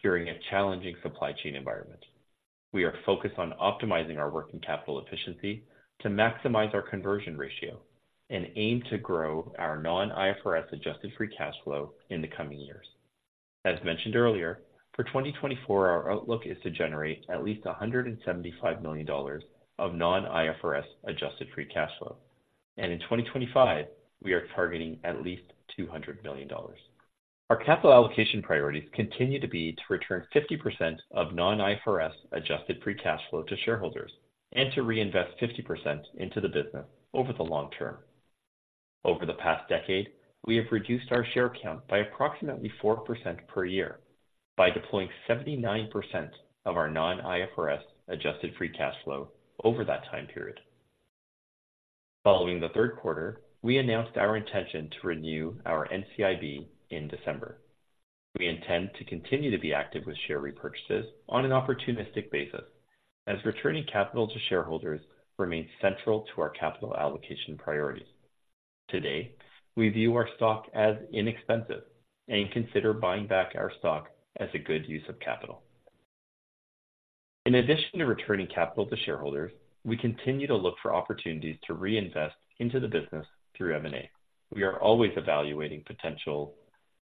during a challenging supply chain environment. We are focused on optimizing our working capital efficiency to maximize our conversion ratio and aim to grow our non-IFRS adjusted free cash flow in the coming years. As mentioned earlier, for 2024, our outlook is to generate at least $175 million of non-IFRS adjusted free cash flow, and in 2025, we are targeting at least $200 million. Our capital allocation priorities continue to be to return 50% of non-IFRS adjusted free cash flow to shareholders and to reinvest 50% into the business over the long term. Over the past decade, we have reduced our share count by approximately 4% per year by deploying 79% of our non-IFRS adjusted free cash flow over that time period. Following the third quarter, we announced our intention to renew our NCIB in December. We intend to continue to be active with share repurchases on an opportunistic basis, as returning capital to shareholders remains central to our capital allocation priorities. Today, we view our stock as inexpensive and consider buying back our stock as a good use of capital. In addition to returning capital to shareholders, we continue to look for opportunities to reinvest into the business through M&A. We are always evaluating potential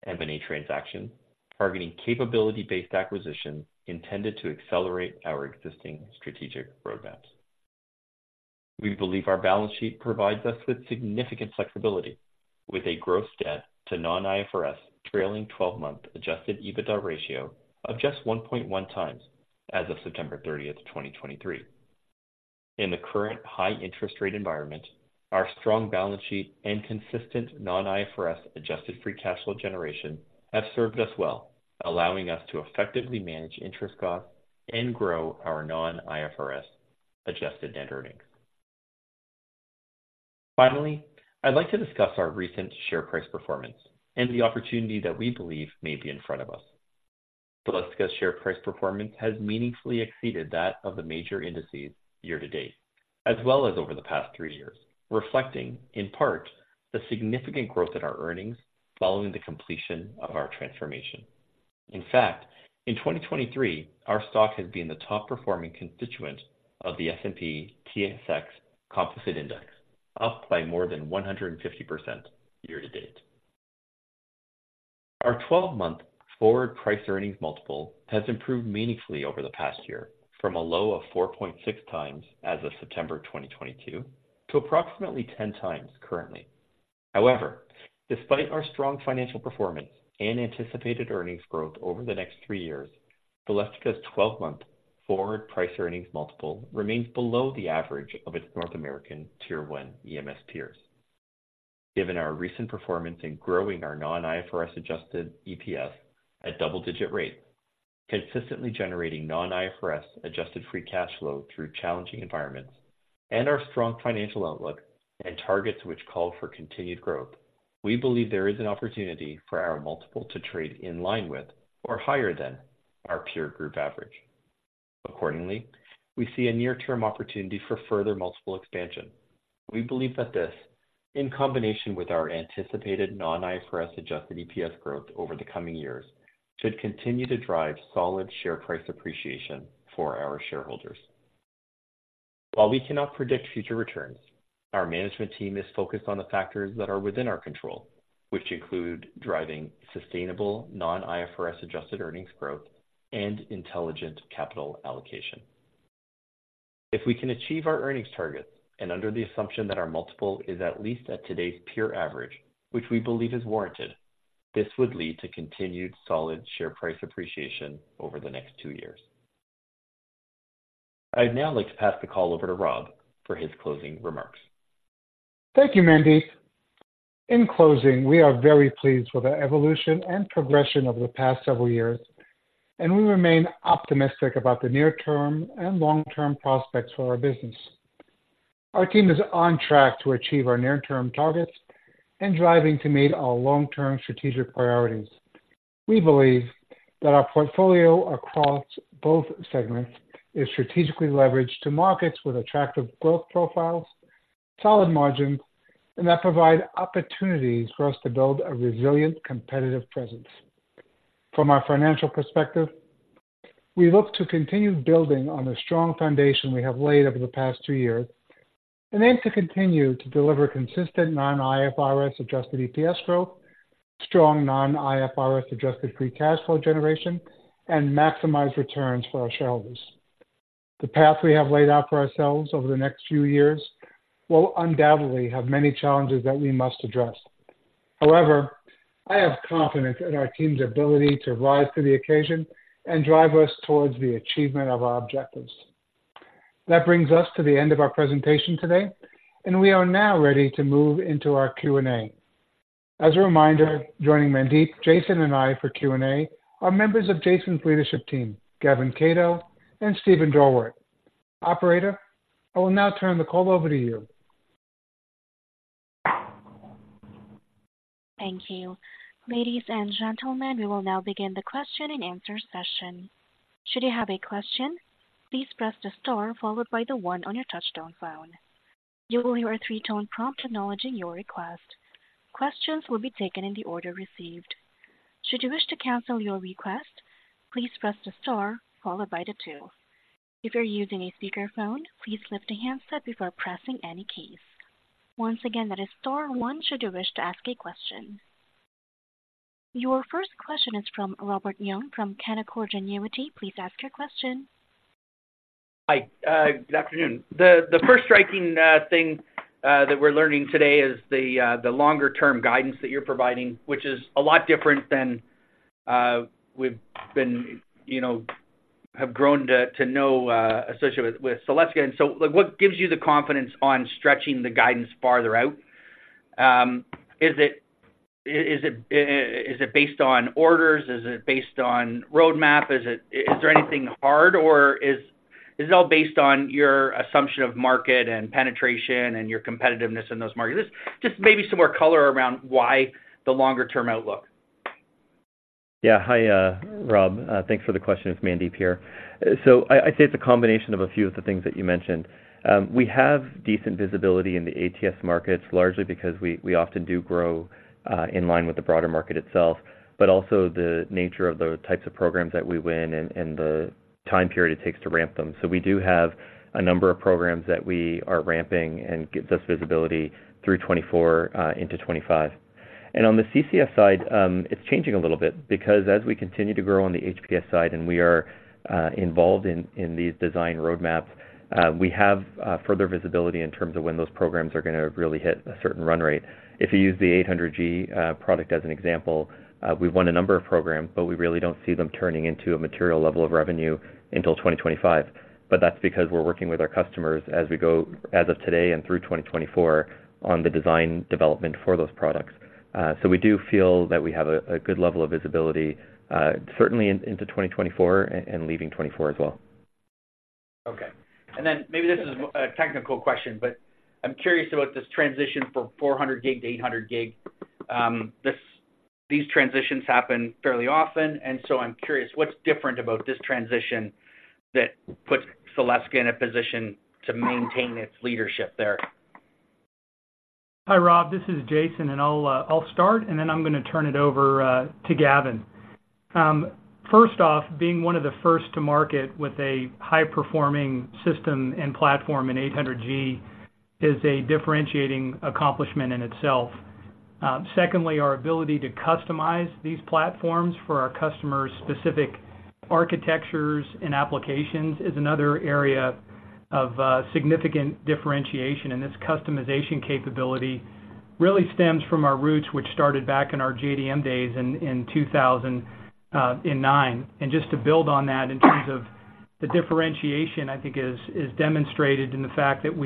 M&A transactions, targeting capability-based acquisitions intended to accelerate our existing strategic roadmaps. We believe our balance sheet provides us with significant flexibility. with a gross debt to non-IFRS trailing 12-month Adjusted EBITDA ratio of just 1.1x as of September 30th, 2023. In the current high interest rate environment, our strong balance sheet and consistent non-IFRS adjusted free cash flow generation have served us well, allowing us to effectively manage interest costs and grow our non-IFRS adjusted net earnings. Finally, I'd like to discuss our recent share price performance and the opportunity that we believe may be in front of us. Celestica's share price performance has meaningfully exceeded that of the major indices year-to-date, as well as over the past three years, reflecting, in part, the significant growth in our earnings following the completion of our transformation. In fact, in 2023, our stock has been the top-performing constituent of the S&P/TSX Composite Index, up by more than 150% year-to-date. Our 12-month forward price earnings multiple has improved meaningfully over the past year, from a low of 4.6x as of September 2022 to approximately 10x currently. However, despite our strong financial performance and anticipated earnings growth over the next three years, Celestica's 12-month forward price earnings multiple remains below the average of its North American Tier 1 EMS peers. Given our recent performance in growing our non-IFRS Adjusted EPS at double-digit rates, consistently generating non-IFRS adjusted free cash flow through challenging environments, and our strong financial outlook and targets which call for continued growth, we believe there is an opportunity for our multiple to trade in line with or higher than our peer group average. Accordingly, we see a near-term opportunity for further multiple expansion. We believe that this, in combination with our anticipated non-IFRS Adjusted EPS growth over the coming years, should continue to drive solid share price appreciation for our shareholders. While we cannot predict future returns, our management team is focused on the factors that are within our control, which include driving sustainable non-IFRS adjusted earnings growth and intelligent capital allocation. If we can achieve our earnings targets, and under the assumption that our multiple is at least at today's peer average, which we believe is warranted, this would lead to continued solid share price appreciation over the next two years. I'd now like to pass the call over to Rob for his closing remarks. Thank you, Mandeep. In closing, we are very pleased with our evolution and progression over the past several years, and we remain optimistic about the near-term and long-term prospects for our business. Our team is on track to achieve our near-term targets and driving to meet our long-term strategic priorities. We believe that our portfolio across both segments is strategically leveraged to markets with attractive growth profiles, solid margins, and that provide opportunities for us to build a resilient, competitive presence. From our financial perspective, we look to continue building on the strong foundation we have laid over the past two years and aim to continue to deliver consistent non-IFRS Adjusted EPS growth, strong non-IFRS adjusted free cash flow generation, and maximize returns for our shareholders. The path we have laid out for ourselves over the next few years will undoubtedly have many challenges that we must address. However, I have confidence in our team's ability to rise to the occasion and drive us towards the achievement of our objectives. That brings us to the end of our presentation today, and we are now ready to move into our Q&A. As a reminder, joining Mandeep, Jason, and I for Q&A are members of Jason's leadership team, Gavin Cato and Steven Dorwart. Operator, I will now turn the call over to you. Thank you. Ladies, and gentlemen, we will now begin the question-and-answer session. Should you have a question, please press the star followed by the one on your touchtone phone. You will hear a three-tone prompt acknowledging your request. Questions will be taken in the order received. Should you wish to cancel your request, please press the star followed by the two. If you're using a speakerphone, please lift the handset before pressing any keys. Once again, that is star one should you wish to ask a question. Your first question is from Robert Young from Canaccord Genuity. Please ask your question. Hi, good afternoon. The first striking thing that we're learning today is the longer-term guidance that you're providing, which is a lot different than we've been, you know, have grown to know associated with Celestica. And so, like, what gives you the confidence on stretching the guidance farther out? Is it based on orders? Is it based on roadmap? Is there anything hard, or is it all based on your assumption of market and penetration and your competitiveness in those markets? Just maybe some more color around why the longer-term outlook. Yeah. Hi, Rob. Thanks for the question. It's Mandeep here. So I'd say it's a combination of a few of the things that you mentioned. We have decent visibility in the ATS markets, largely because we often do grow in line with the broader market itself, but also the nature of the types of programs that we win and the time period it takes to ramp them. So we do have a number of programs that we are ramping and gives us visibility through 2024 into 2025.... On the CCS side, it's changing a little bit because as we continue to grow on the HPS side, and we are involved in these design roadmaps, we have further visibility in terms of when those programs are going to really hit a certain run rate. If you use the 800 Gb product as an example, we've won a number of programs, but we really don't see them turning into a material level of revenue until 2025. But that's because we're working with our customers as we go, as of today and through 2024 on the design development for those products. So we do feel that we have a good level of visibility, certainly into 2024 and leaving 2024 as well. Okay. And then maybe this is a technical question, but I'm curious about this transition from 400 Gb to 800 Gb. These transitions happen fairly often, and so I'm curious, what's different about this transition that puts Celestica in a position to maintain its leadership there? Hi, Rob, this is Jason, and I'll start, and then I'm going to turn it over to Gavin. First off, being one of the first to market with a high-performing system and platform in 800 Gb is a differentiating accomplishment in itself. Secondly, our ability to customize these platforms for our customers' specific architectures and applications is another area of significant differentiation. And this customization capability really stems from our roots, which started back in our JDM days in 2009. Just to build on that in terms of the differentiation, I think is demonstrated in the fact that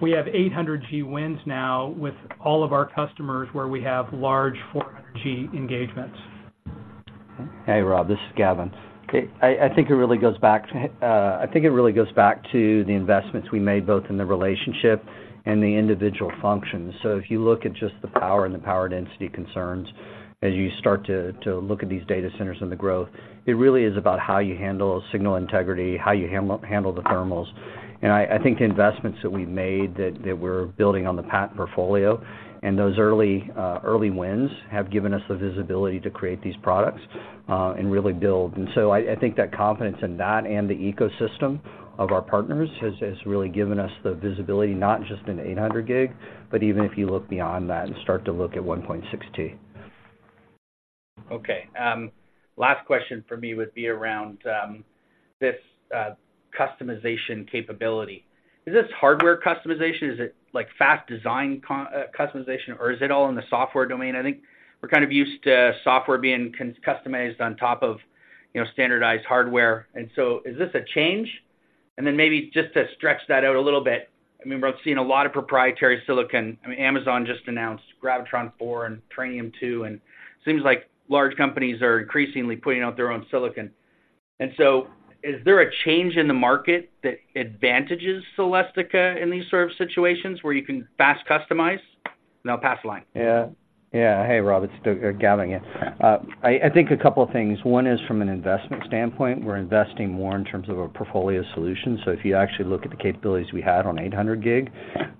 we have 800 Gb wins now with all of our customers, where we have large 400 Gb engagements. Hey, Rob, this is Gavin. I think it really goes back to the investments we made, both in the relationship and the individual functions. So if you look at just the power and the power density concerns, as you start to look at these data centers and the growth, it really is about how you handle signal integrity, how you handle the thermals. And I think the investments that we made, that we're building on the patent portfolio and those early wins, have given us the visibility to create these products, and really build. And so I think that confidence in that and the ecosystem of our partners has really given us the visibility, not just in 800 Gb, but even if you look beyond that and start to look at 1.6 Tb. Okay, last question for me would be around this customization capability. Is this hardware customization? Is it like fast design customization, or is it all in the software domain? I think we're used to software being customized on top of, you know, standardized hardware, and so is this a change? And then maybe just to stretch that out a little bit, I mean, we're seeing a lot of proprietary silicon. I mean, Amazon just announced Graviton4 and Trainium2, and it seems like large companies are increasingly putting out their own silicon. And so is there a change in the market that advantages Celestica in these sort of situations where you can fast customize? And I'll pass the line. Yeah. Yeah. Hey, Rob, it's Gavin again. I think a couple of things. One is, from an investment standpoint, we're investing more in terms of a portfolio solution. So if you actually look at the capabilities we had on 800 gig,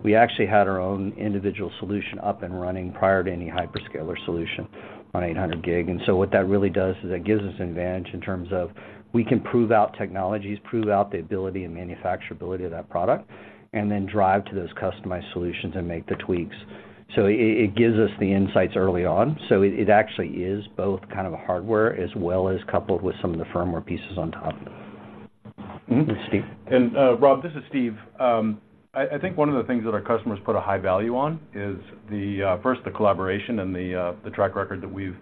we actually had our own individual solution up and running prior to any Hyperscaler solution on 800 gig. And so what that really does is it gives us an advantage in terms of we can prove out technologies, prove out the ability and manufacturability of that product, and then drive to those customized solutions and make the tweaks. So it gives us the insights early on. So it actually is both hardware as well as coupled with some of the firmware pieces on top. Mm-hmm, Steve. Rob, this is Steve. I think one of the things that our customers put a high value on is first, the collaboration and the track record that we've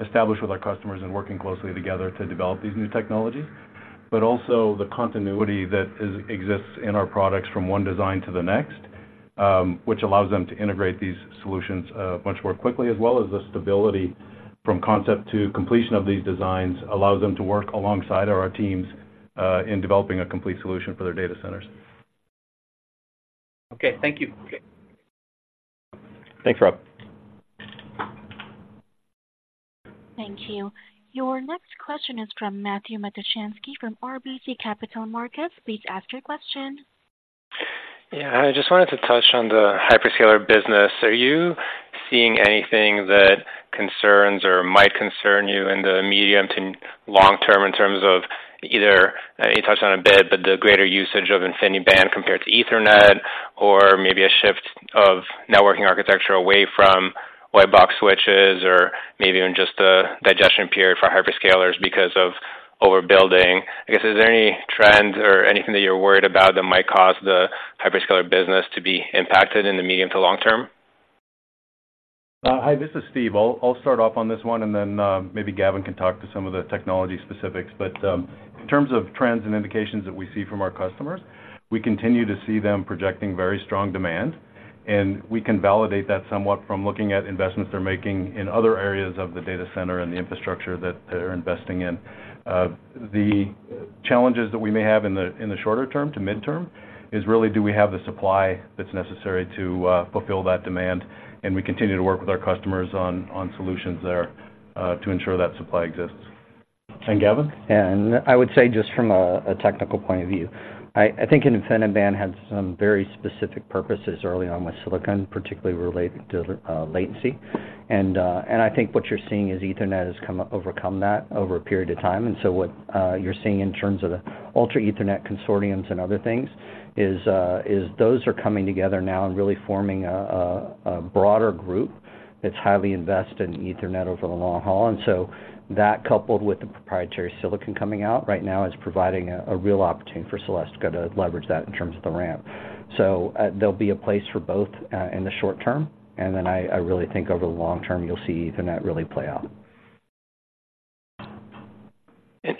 established with our customers in working closely together to develop these new technologies, but also the continuity that exists in our products from one design to the next, which allows them to integrate these solutions much more quickly, as well as the stability from concept to completion of these designs, allows them to work alongside our teams in developing a complete solution for their data centers. Okay, thank you. Thanks, Rob. Thank you. Your next question is from Matthew Meteshansky from RBC Capital Markets. Please ask your question. Yeah, I just wanted to touch on the Hyperscaler business. Are you seeing anything that concerns or might concern you in the medium to long term in terms of either, and you touched on a bit, but the greater usage of InfiniBand compared to Ethernet, or maybe a shift of networking architecture away from white box switches, or maybe even just a digestion period for Hyperscalers because of overbuilding? I guess, is there any trend or anything that you're worried about that might cause the Hyperscaler business to be impacted in the medium to long term? Hi, this is Steve. I'll, I'll start off on this one, and then maybe Gavin can talk to some of the technology specifics. But in terms of trends and indications that we see from our customers, we continue to see them projecting very strong demand, and we can validate that somewhat from looking at investments they're making in other areas of the data center and the infrastructure that they're investing in. The challenges that we may have in the shorter term to midterm is really, do we have the supply that's necessary to fulfill that demand? And we continue to work with our customers on solutions there to ensure that supply exists. And Gavin? I would say, just from a technical point of view, I think InfiniBand had some very specific purposes early on with silicon, particularly related to latency. I think what you're seeing is Ethernet has come overcome that over a period of time. So what you're seeing in terms of the Ultra Ethernet Consortium and other things is those are coming together now and really forming a broader group that's highly invested in Ethernet over the long haul. So that, coupled with the proprietary silicon coming out right now, is providing a real opportunity for Celestica to leverage that in terms of the ramp. There'll be a place for both in the short term, and then I really think over the long term, you'll see Ethernet really play out.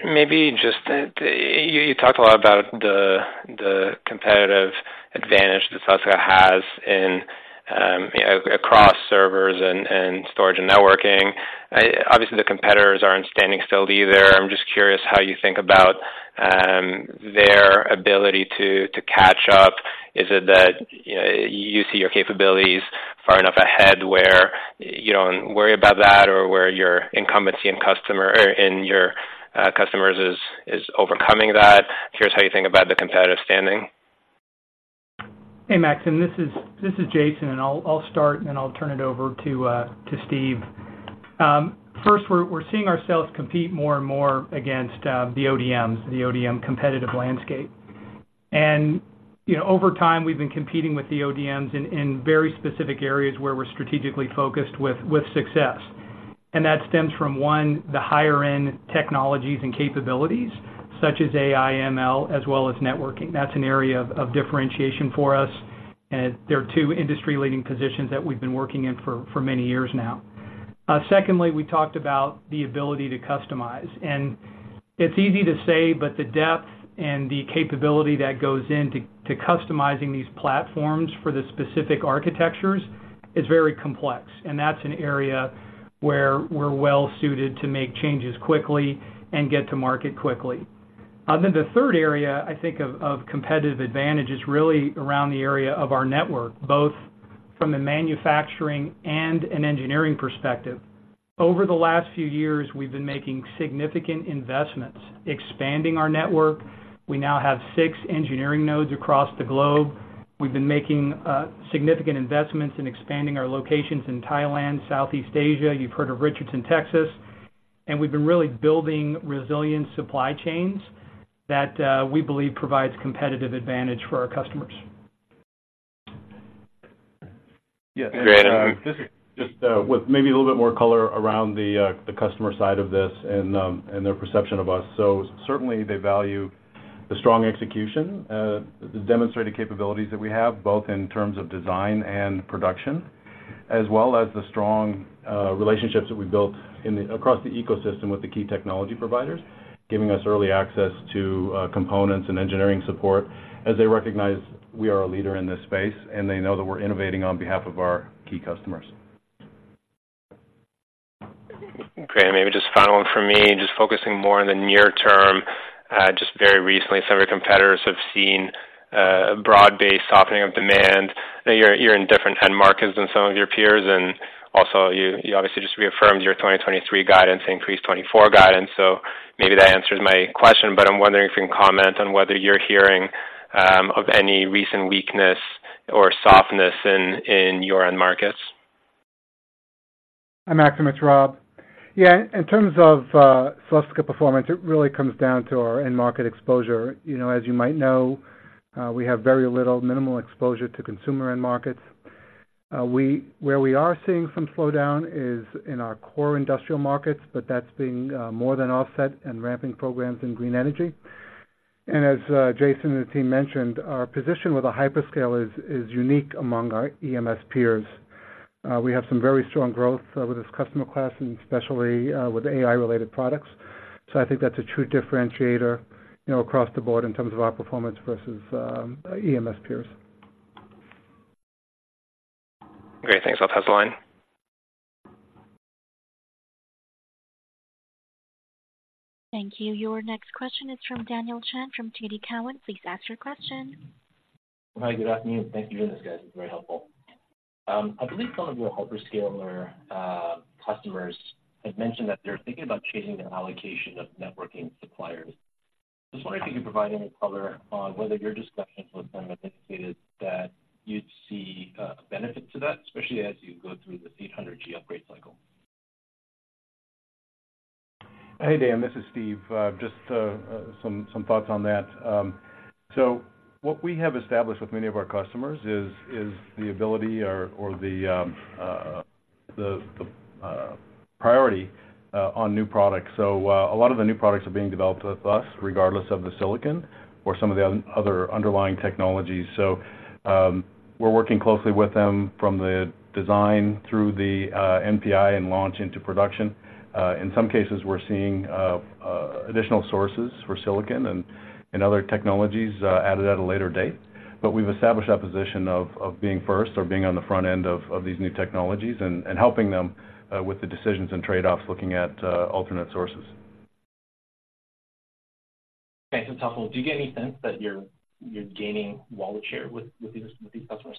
Maybe just, you talked a lot about the competitive advantage that Celestica has in, you know, across servers and storage and networking. Obviously, the competitors aren't standing still either. I'm just curious how you think about their ability to catch up. Is it that, you know, you see your capabilities far enough ahead, where you don't worry about that, or where your incumbency and your customers is overcoming that? Curious how you think about the competitive standing. Hey, Matt, and this is Jason, and I'll start, and then I'll turn it over to Steve. First, we're seeing ourselves compete more and more against the ODMs, the ODM competitive landscape. And, you know, over time, we've been competing with the ODMs in very specific areas where we're strategically focused with success. And that stems from one, the higher-end technologies and capabilities, such as AI/ML, as well as networking. That's an area of differentiation for us, and there are two industry-leading positions that we've been working in for many years now. Secondly, we talked about the ability to customize, and it's easy to say, but the depth and the capability that goes into customizing these platforms for the specific architectures is very complex, and that's an area where we're well suited to make changes quickly and get to market quickly. Then the third area, I think, of competitive advantage is really around the area of our network, both from a manufacturing and an engineering perspective. Over the last few years, we've been making significant investments, expanding our network. We now have six engineering nodes across the globe. We've been making significant investments in expanding our locations in Thailand, Southeast Asia. You've heard of Richardson, Texas. And we've been really building resilient supply chains that we believe provides competitive advantage for our customers. Yes, just, with maybe a little bit more color around the, the customer side of this and, and their perception of us. So certainly, they value the strong execution, the demonstrated capabilities that we have, both in terms of design and production, as well as the strong, relationships that we've built across the ecosystem with the key technology providers, giving us early access to, components and engineering support, as they recognize we are a leader in this space, and they know that we're innovating on behalf of our key customers. Great. Maybe just final one for me, just focusing more on the near term. Just very recently, several competitors have seen a broad-based softening of demand. Now, you're in different end markets than some of your peers, and also, you obviously just reaffirmed your 2023 guidance, increased 2024 guidance. So maybe that answers my question, but I'm wondering if you can comment on whether you're hearing of any recent weakness or softness in your end markets. Hi, Matt, it's Rob. Yeah, in terms of Celestica performance, it really comes down to our end market exposure. You know, as you might know, we have very little minimal exposure to consumer end markets. Where we are seeing some slowdown is in our core industrial markets, but that's being more than offset in ramping programs in green energy. And as Jason and the team mentioned, our position with a Hyperscaler is, is unique among our EMS peers. We have some very strong growth with this customer class, and especially with AI-related products. So I think that's a true differentiator, you know, across the board in terms of our performance versus EMS peers. Great. Thanks. I'll pass the line. Thank you. Your next question is from Daniel Chan, from TD Cowen. Please ask your question. Hi, good afternoon. Thank you for doing this, guys. It's very helpful. I believe some of your Hyperscaler customers have mentioned that they're thinking about changing their allocation of networking suppliers. Just wondering if you could provide any color on whether your discussions with them have indicated that you'd see a benefit to that, especially as you go through the 800 Gb upgrade cycle. Hey, Dan, this is Steve. Just some thoughts on that. So what we have established with many of our customers is the ability or the priority on new products. So a lot of the new products are being developed with us, regardless of the silicon or some of the other underlying technologies. So we're working closely with them from the design through the NPI and launch into production. In some cases, we're seeing additional sources for silicon and other technologies added at a later date. But we've established that position of being first or being on the front end of these new technologies and helping them with the decisions and trade-offs, looking at alternate sources. Thanks, and also, do you get any sense that you're gaining wallet share with these customers?...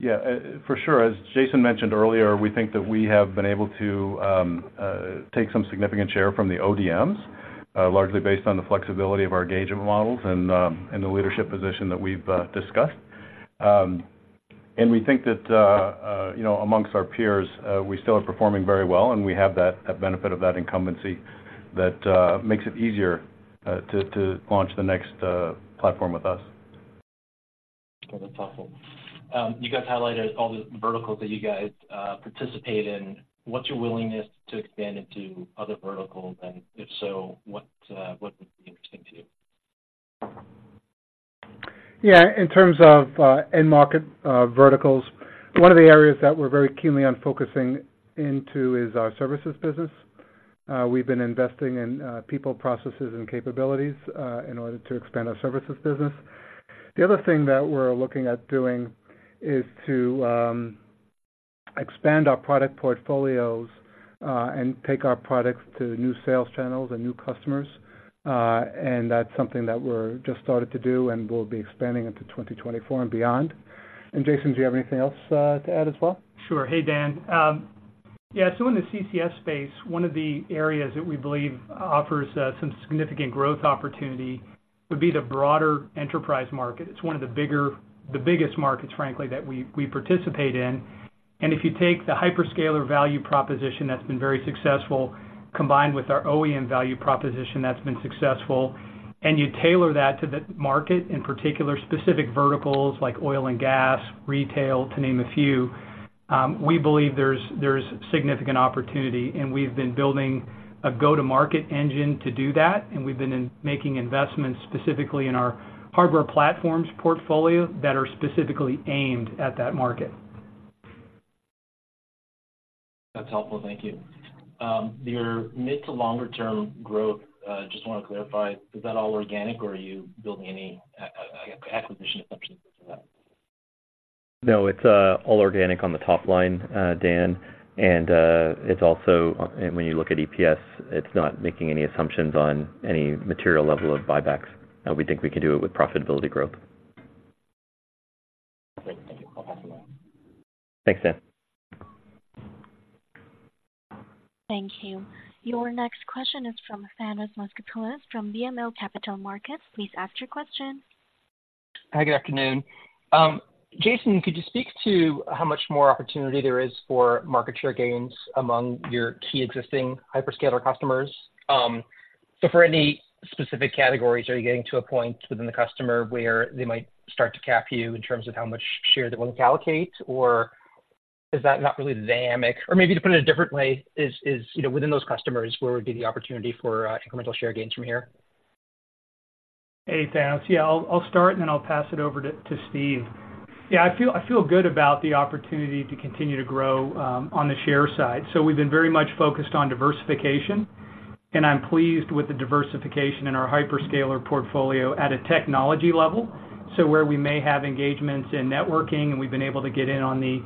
Yeah, for sure. As Jason mentioned earlier, we think that we have been able to take some significant share from the ODMs, largely based on the flexibility of our engagement models and the leadership position that we've discussed. And we think that you know, among our peers, we still are performing very well, and we have that that benefit of that incumbency that makes it easier to launch the next platform with us. Okay, that's helpful. You guys highlighted all the verticals that you guys participate in. What's your willingness to expand into other verticals? And if so, what would be interesting to you? Yeah, in terms of end market verticals, one of the areas that we're very keenly on focusing into is our services business. We've been investing in people, processes, and capabilities in order to expand our services business. The other thing that we're looking at doing is to expand our product portfolios and take our products to new sales channels and new customers. And that's something that we're just started to do and will be expanding into 2024 and beyond. And Jason, do you have anything else to add as well? Sure. Hey, Dan. Yeah, so in the CCS Space, one of the areas that we believe offers some significant growth opportunity would be the broader enterprise market. It's one of the bigger, the biggest markets, frankly, that we participate in. And if you take the Hyperscaler value proposition that's been very successful, combined with our OEM value proposition that's been successful, and you tailor that to the market, in particular, specific verticals like oil and gas, retail, to name a few, we believe there's significant opportunity, and we've been building a go-to-market engine to do that, and we've been making investments specifically in our Hardware Platforms portfolio that are specifically aimed at that market. That's helpful. Thank you. Your mid to longer term growth, just want to clarify, is that all organic, or are you building any acquisition assumptions into that? No, it's all organic on the top line, Dan. And, it's also—and when you look at EPS, it's not making any assumptions on any material level of buybacks, and we think we can do it with profitability growth. Great. Thank you. I'll pass it on. Thanks, Dan. Thank you. Your next question is from Thanos Moschopoulos from BMO Capital Markets. Please ask your question. Hi, good afternoon. Jason, could you speak to how much more opportunity there is for market share gains among your key existing Hyperscaler customers? So for any specific categories, are you getting to a point within the customer where they might start to cap you in terms of how much share they're willing to allocate, or is that not really the dynamic? Or maybe to put it a different way, is, you know, within those customers, where would be the opportunity for incremental share gains from here? Hey, Thanos. Yeah, I'll, I'll start, and then I'll pass it over to, to Steve. Yeah, I feel, I feel good about the opportunity to continue to grow on the share side. So we've been very much focused on diversification, and I'm pleased with the diversification in our Hyperscaler portfolio at a technology level. So where we may have engagements in networking, and we've been able to get in on the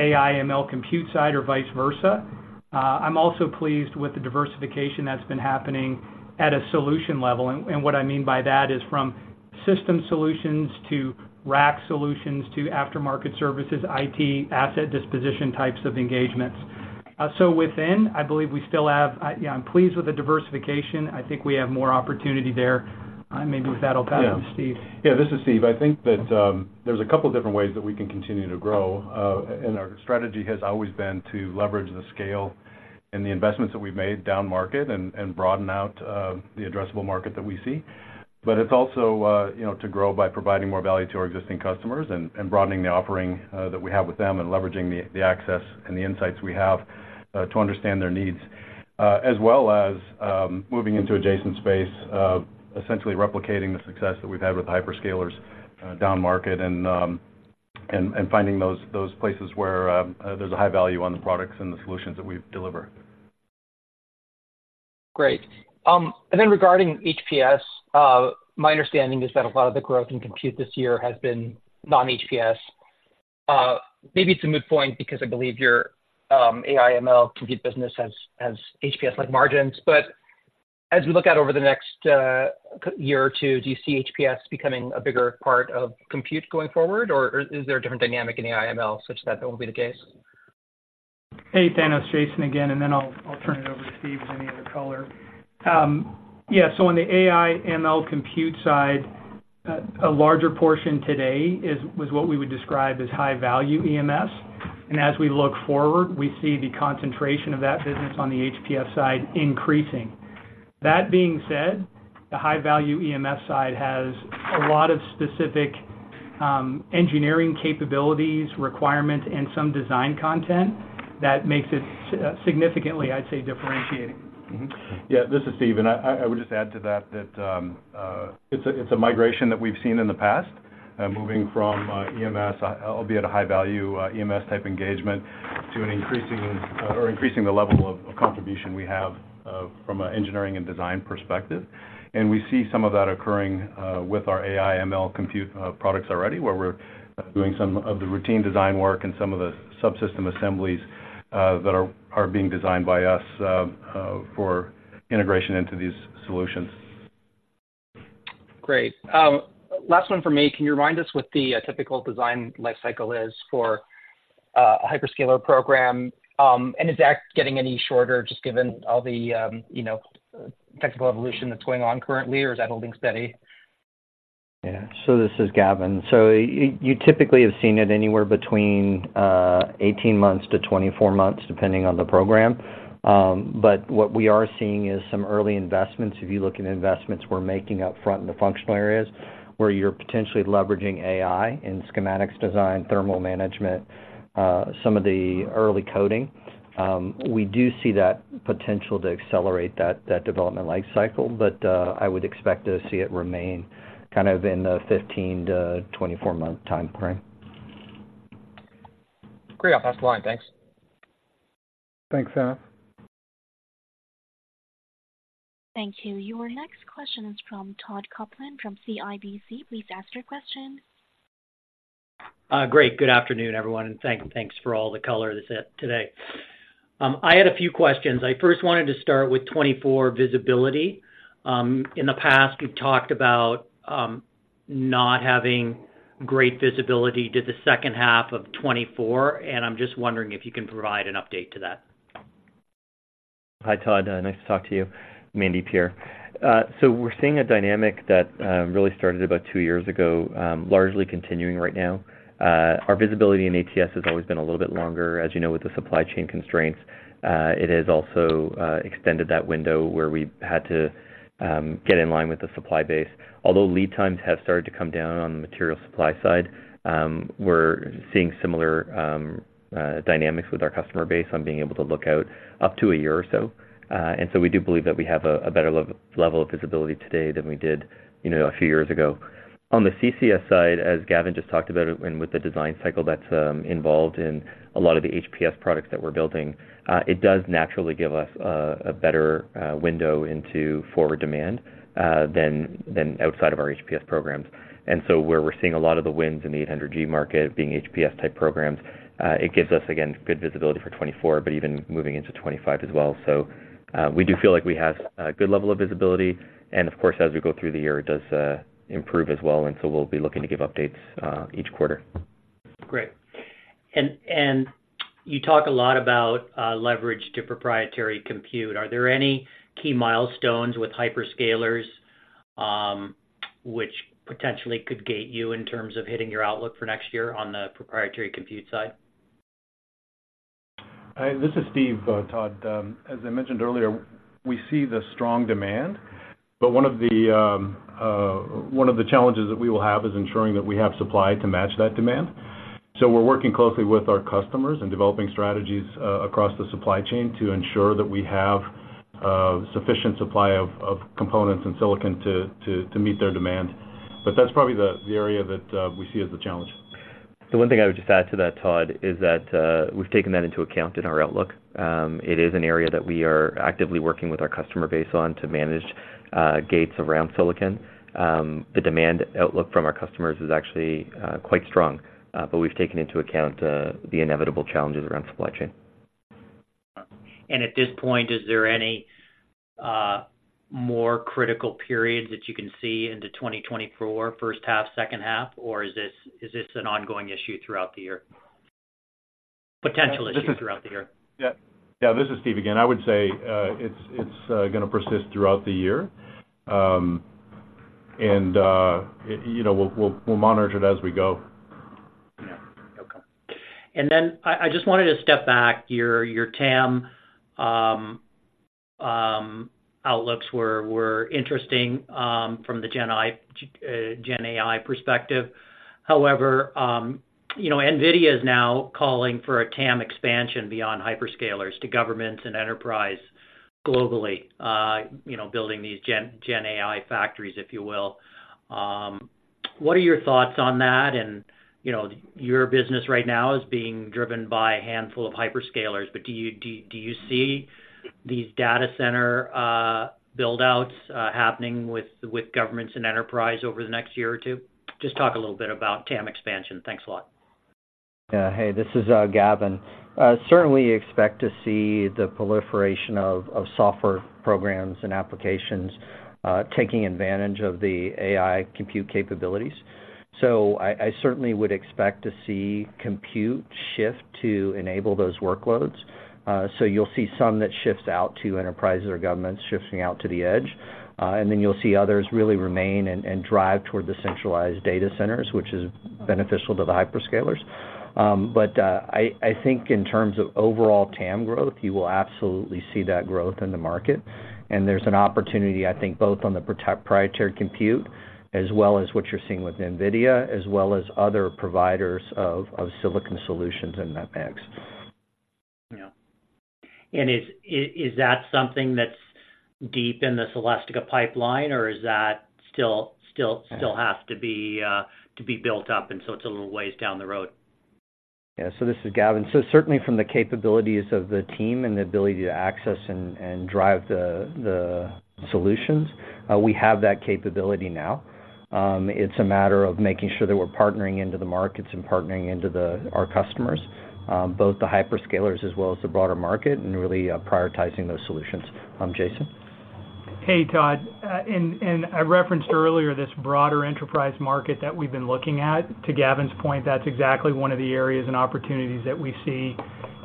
AI/ML compute side or vice versa. I'm also pleased with the diversification that's been happening at a solution level, and, and what I mean by that is from system solutions to rack solutions to aftermarket services, IT asset disposition types of engagements. So within, I believe we still have yeah, I'm pleased with the diversification. I think we have more opportunity there. Maybe with that, I'll pass it to Steve. Yeah. This is Steve. I think that, there's a couple different ways that we can continue to grow, and our strategy has always been to leverage the scale and the investments that we've made down market and, broaden out, the addressable market that we see. But it's also, you know, to grow by providing more value to our existing customers and, broadening the offering, that we have with them and leveraging the, access and the insights we have, to understand their needs. As well as, moving into adjacent space, essentially replicating the success that we've had with Hyperscalers, down market and, and finding those, places where, there's a high value on the products and the solutions that we deliver. Great. And then regarding HPS, my understanding is that a lot of the growth in compute this year has been non-HPS. Maybe it's a moot point because I believe your AI/ML compute business has HPS-like margins. But as we look out over the next year or two, do you see HPS becoming a bigger part of compute going forward, or is there a different dynamic in AI/ML such that that won't be the case? Hey, Thanos, Jason again, and then I'll turn it over to Steve. Has any other color? Yeah, so on the AI/ML compute side, a larger portion today is what we would describe as high-value EMS. And as we look forward, we see the concentration of that business on the HPS side increasing. That being said, the high-value EMS side has a lot of specific engineering capabilities, requirement, and some design content that makes it significantly, I'd say, differentiating. Mm-hmm. Yeah, this is Steve, and I would just add to that, that it's a migration that we've seen in the past, moving from EMS, albeit a high-value EMS-type engagement, to an increasing or increasing the level of contribution we have from an engineering and design perspective. And we see some of that occurring with our AI/ML compute products already, where we're doing some of the routine design work and some of the subsystem assemblies that are being designed by us for integration into these solutions.... Great. Last one for me. Can you remind us what the typical design life cycle is for a Hyperscaler program? And is that getting any shorter, just given all the, you know, technical evolution that's going on currently, or is that holding steady? Yeah. So this is Gavin. So you typically have seen it anywhere between 18 months to 24 months, depending on the program. But what we are seeing is some early investments. If you look at investments we're making up front in the functional areas, where you're potentially leveraging AI in schematics design, thermal management, some of the early coding, we do see that potential to accelerate that development life cycle, but I would expect to see it remain kind of in the 15- to 24-month time frame. Great. I'll pass the line. Thanks. Thanks, Thanos. Thank you. Your next question is from Todd Coupland from CIBC. Please ask your question. Great. Good afternoon, everyone, and thanks for all the color this afternoon. I had a few questions. I first wanted to start with 2024 visibility. In the past, you've talked about not having great visibility to the second half of 2024, and I'm just wondering if you can provide an update to that. Hi, Todd. Nice to talk to you. Mandeep here. So we're seeing a dynamic that really started about two years ago, largely continuing right now. Our visibility in ATS has always been a little bit longer, as you know, with the supply chain constraints. It has also extended that window where we've had to get in line with the supply base. Although lead times have started to come down on the material supply side, we're seeing similar dynamics with our customer base on being able to look out up to a year or so. And so we do believe that we have a better level of visibility today than we did, you know, a few years ago. On the CCS side, as Gavin just talked about it, and with the design cycle that's involved in a lot of the HPS products that we're building, it does naturally give us a better window into forward demand than outside of our HPS programs. And so where we're seeing a lot of the wins in the 800 Gb market being HPS type programs, it gives us, again, good visibility for 2024, but even moving into 2025 as well. So, we do feel like we have a good level of visibility, and of course, as we go through the year, it does improve as well, and so we'll be looking to give updates each quarter. Great. And you talk a lot about leverage to proprietary compute. Are there any key milestones with Hyperscalers, which potentially could gate you in terms of hitting your outlook for next year on the proprietary compute side? Hi, this is Steve, Todd. As I mentioned earlier, we see the strong demand, but one of the challenges that we will have is ensuring that we have supply to match that demand. So we're working closely with our customers and developing strategies across the supply chain to ensure that we have sufficient supply of components and silicon to meet their demand. But that's probably the area that we see as the challenge. The one thing I would just add to that, Todd, is that we've taken that into account in our outlook. It is an area that we are actively working with our customer base on to manage gates around silicon. The demand outlook from our customers is actually quite strong, but we've taken into account the inevitable challenges around supply chain. At this point, is there any more critical period that you can see into 2024, first half, second half, or is this an ongoing issue throughout the year? Potential issue throughout the year. Yeah. Yeah, this is Steve again. I would say it's gonna persist throughout the year. You know, we'll monitor it as we go. Yeah. Okay. And then I just wanted to step back. Your TAM outlooks were interesting from the Gen AI perspective. However, you know, NVIDIA is now calling for a TAM expansion beyond Hyperscalers to governments and enterprise globally, you know, building these Gen AI factories, if you will. What are your thoughts on that? And, you know, your business right now is being driven by a handful of Hyperscalers, but do you see these data center build outs happening with governments and enterprise over the next year or two? Just talk a little bit about TAM expansion. Thanks a lot. Yeah. Hey, this is Gavin. Certainly expect to see the proliferation of software programs and applications taking advantage of the AI compute capabilities. So I certainly would expect to see compute shift to enable those workloads. So you'll see some that shifts out to enterprises or governments, shifting out to the edge. And then you'll see others really remain and drive toward the centralized data centers, which is beneficial to the Hyperscalers. But I think in terms of overall TAM growth, you will absolutely see that growth in the market. And there's an opportunity, I think, both on the protect proprietary compute as well as what you're seeing with NVIDIA, as well as other providers of silicon solutions and MCPs. Yeah. And is that something that's deep in the Celestica pipeline, or is that still has to be built up, and so it's a little ways down the road? Yeah. This is Gavin. Certainly from the capabilities of the team and the ability to access and drive the solutions, we have that capability now. It's a matter of making sure that we're partnering into the markets and partnering into the, our customers, both the Hyperscalers as well as the broader market, and really prioritizing those solutions. Jason?... Hey, Todd. And I referenced earlier this broader enterprise market that we've been looking at. To Gavin's point, that's exactly one of the areas and opportunities that we see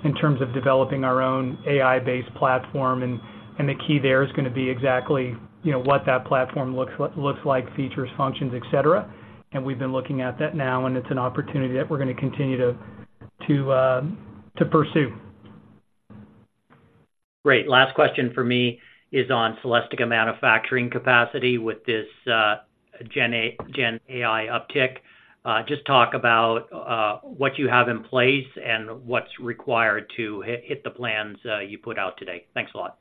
in terms of developing our own AI-based platform. And the key there is gonna be exactly, you know, what that platform looks like, features, functions, et cetera. And we've been looking at that now, and it's an opportunity that we're gonna continue to pursue. Great. Last question for me is on Celestica manufacturing capacity with this gen AI uptick. Just talk about what you have in place and what's required to hit the plans you put out today. Thanks a lot.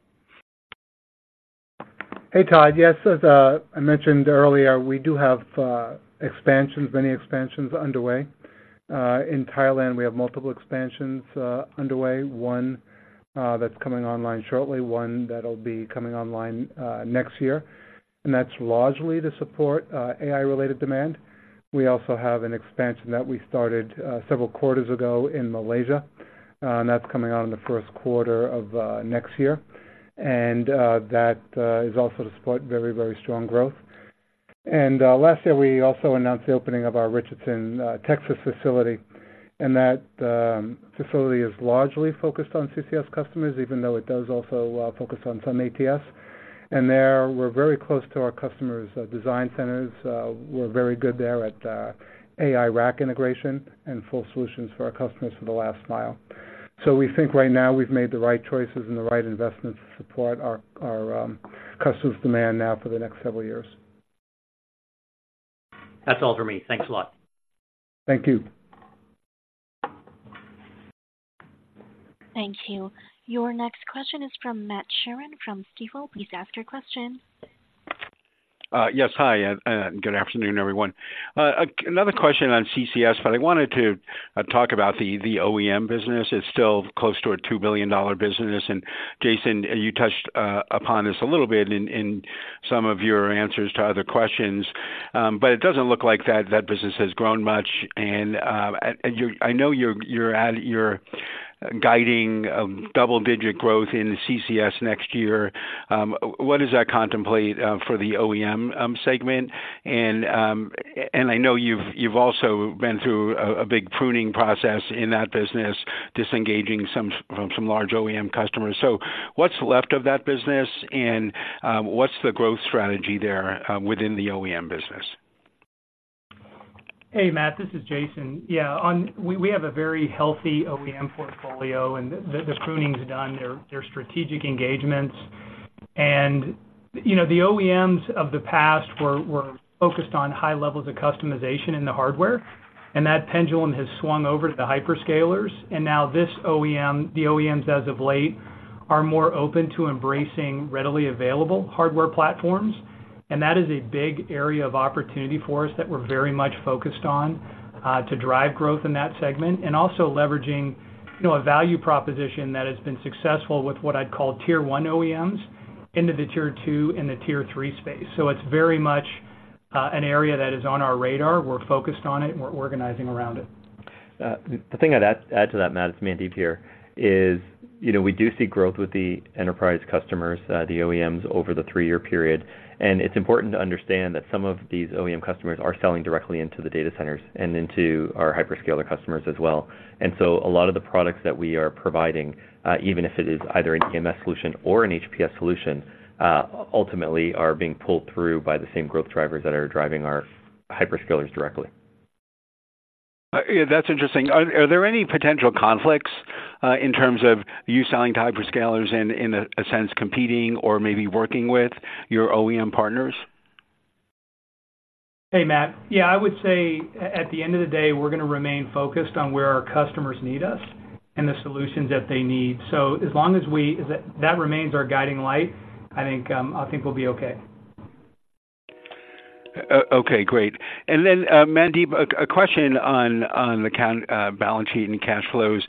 Hey, Todd. Yes, as I mentioned earlier, we do have expansions, many expansions underway. In Thailand, we have multiple expansions underway. One that's coming online shortly, one that'll be coming online next year, and that's largely to support AI-related demand. We also have an expansion that we started several quarters ago in Malaysia, and that's coming out in the first quarter of next year. And that is also to support very, very strong growth. Last year, we also announced the opening of our Richardson, Texas facility, and that facility is largely focused on CCS customers, even though it does also focus on some ATS. And there, we're very close to our customers' design centers. We're very good there at AI rack integration and full solutions for our customers for the last mile. So we think right now we've made the right choices and the right investments to support our customers' demand now for the next several years. That's all for me. Thanks a lot. Thank you. Thank you. Your next question is from Matt Sheerin from Stifel. Please ask your question. Yes, hi, and good afternoon, everyone. Another question on CCS, but I wanted to talk about the OEM business. It's still close to a $2 billion business, and Jason, you touched upon this a little bit in some of your answers to other questions. But it doesn't look like that business has grown much, and you... I know you're guiding a double-digit growth in CCS next year. What does that contemplate for the OEM segment? And I know you've also been through a big pruning process in that business, disengaging some large OEM customers. So what's left of that business, and what's the growth strategy there within the OEM business? Hey, Matt, this is Jason. Yeah, we have a very healthy OEM portfolio, and the pruning's done; they're strategic engagements. And, you know, the OEMs of the past were focused on high levels of customization in the hardware, and that pendulum has swung over to the Hyperscalers. And now the OEMs, as of late, are more open to embracing readily available Hardware Platforms, and that is a big area of opportunity for us that we're very much focused on to drive growth in that segment. And also leveraging, you know, a value proposition that has been successful with what I'd call Tier 1 OEMs into the Tier 2 and the Tier 3 Space. So it's very much an area that is on our radar. We're focused on it, and we're organizing around it. The thing I'd add to that, Matt, it's Mandeep here, is, you know, we do see growth with the enterprise customers, the OEMs over the three-year period. And it's important to understand that some of these OEM customers are selling directly into the data centers and into our Hyperscaler customers as well. And so a lot of the products that we are providing, even if it is either an EMS solution or an HPS solution, ultimately are being pulled through by the same growth drivers that are driving our Hyperscalers directly. Yeah, that's interesting. Are there any potential conflicts in terms of you selling to Hyperscalers and in a sense competing or maybe working with your OEM partners? Hey, Matt. Yeah, I would say at the end of the day, we're gonna remain focused on where our customers need us and the solutions that they need. So as long as as that remains our guiding light, I think, I think we'll be okay. Okay, great. And then, Mandeep, a question on the balance sheet and cash flows,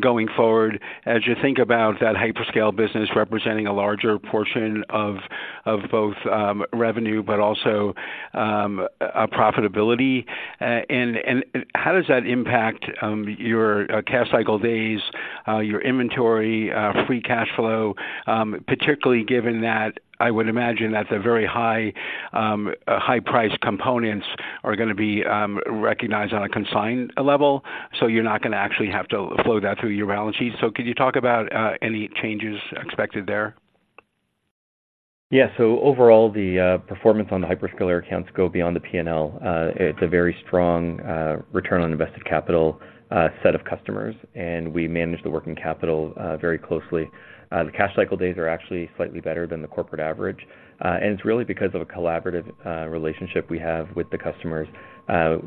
going forward. As you think about that hyperscale business representing a larger portion of both revenue, but also a profitability, and how does that impact your cash cycle days, your inventory, free cash flow, particularly given that I would imagine that the very high-priced components are gonna be recognized on a consigned level, so you're not gonna actually have to flow that through your balance sheet. So could you talk about any changes expected there? Yeah. So overall, the performance on the Hyperscaler accounts go beyond the P&L. It's a very strong return on invested capital set of customers, and we manage the working capital very closely. The cash cycle days are actually slightly better than the corporate average, and it's really because of a collaborative relationship we have with the customers.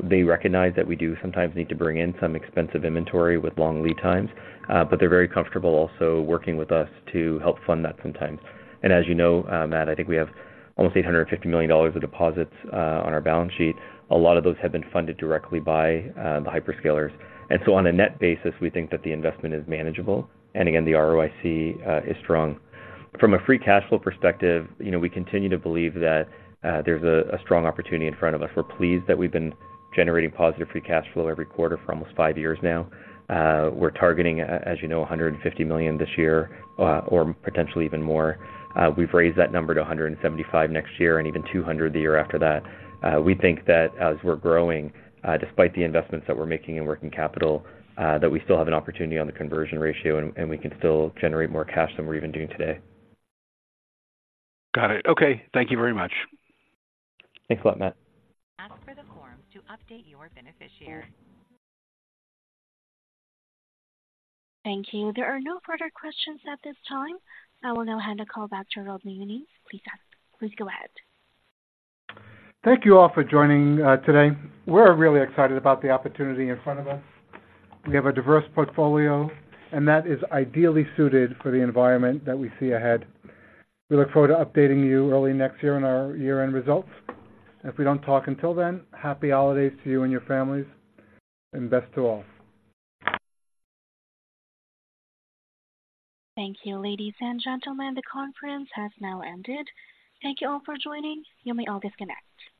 They recognize that we do sometimes need to bring in some expensive inventory with long lead times, but they're very comfortable also working with us to help fund that sometimes. And as you know, Matt, I think we have almost $850 million of deposits on our balance sheet. A lot of those have been funded directly by the Hyperscalers. And so on a net basis, we think that the investment is manageable, and again, the ROIC is strong. From a free cash flow perspective, you know, we continue to believe that there's a strong opportunity in front of us. We're pleased that we've been generating positive free cash flow every quarter for almost five years now. We're targeting, as you know, $150 million this year, or potentially even more. We've raised that number to $175 million next year and even $200 million the year after that. We think that as we're growing, despite the investments that we're making in working capital, that we still have an opportunity on the conversion ratio, and we can still generate more cash than we're even doing today. Got it. Okay. Thank you very much. Thanks a lot, Matt. Ask for the form to update your beneficiary. Thank you. There are no further questions at this time. I will now hand the call back to Rob Mionis. Please go ahead. Thank you all for joining today. We're really excited about the opportunity in front of us. We have a diverse portfolio, and that is ideally suited for the environment that we see ahead. We look forward to updating you early next year on our year-end results. If we don't talk until then, happy holidays to you and your families, and best to all. Thank you, ladies, and gentlemen. The conference has now ended. Thank you all for joining. You may all disconnect.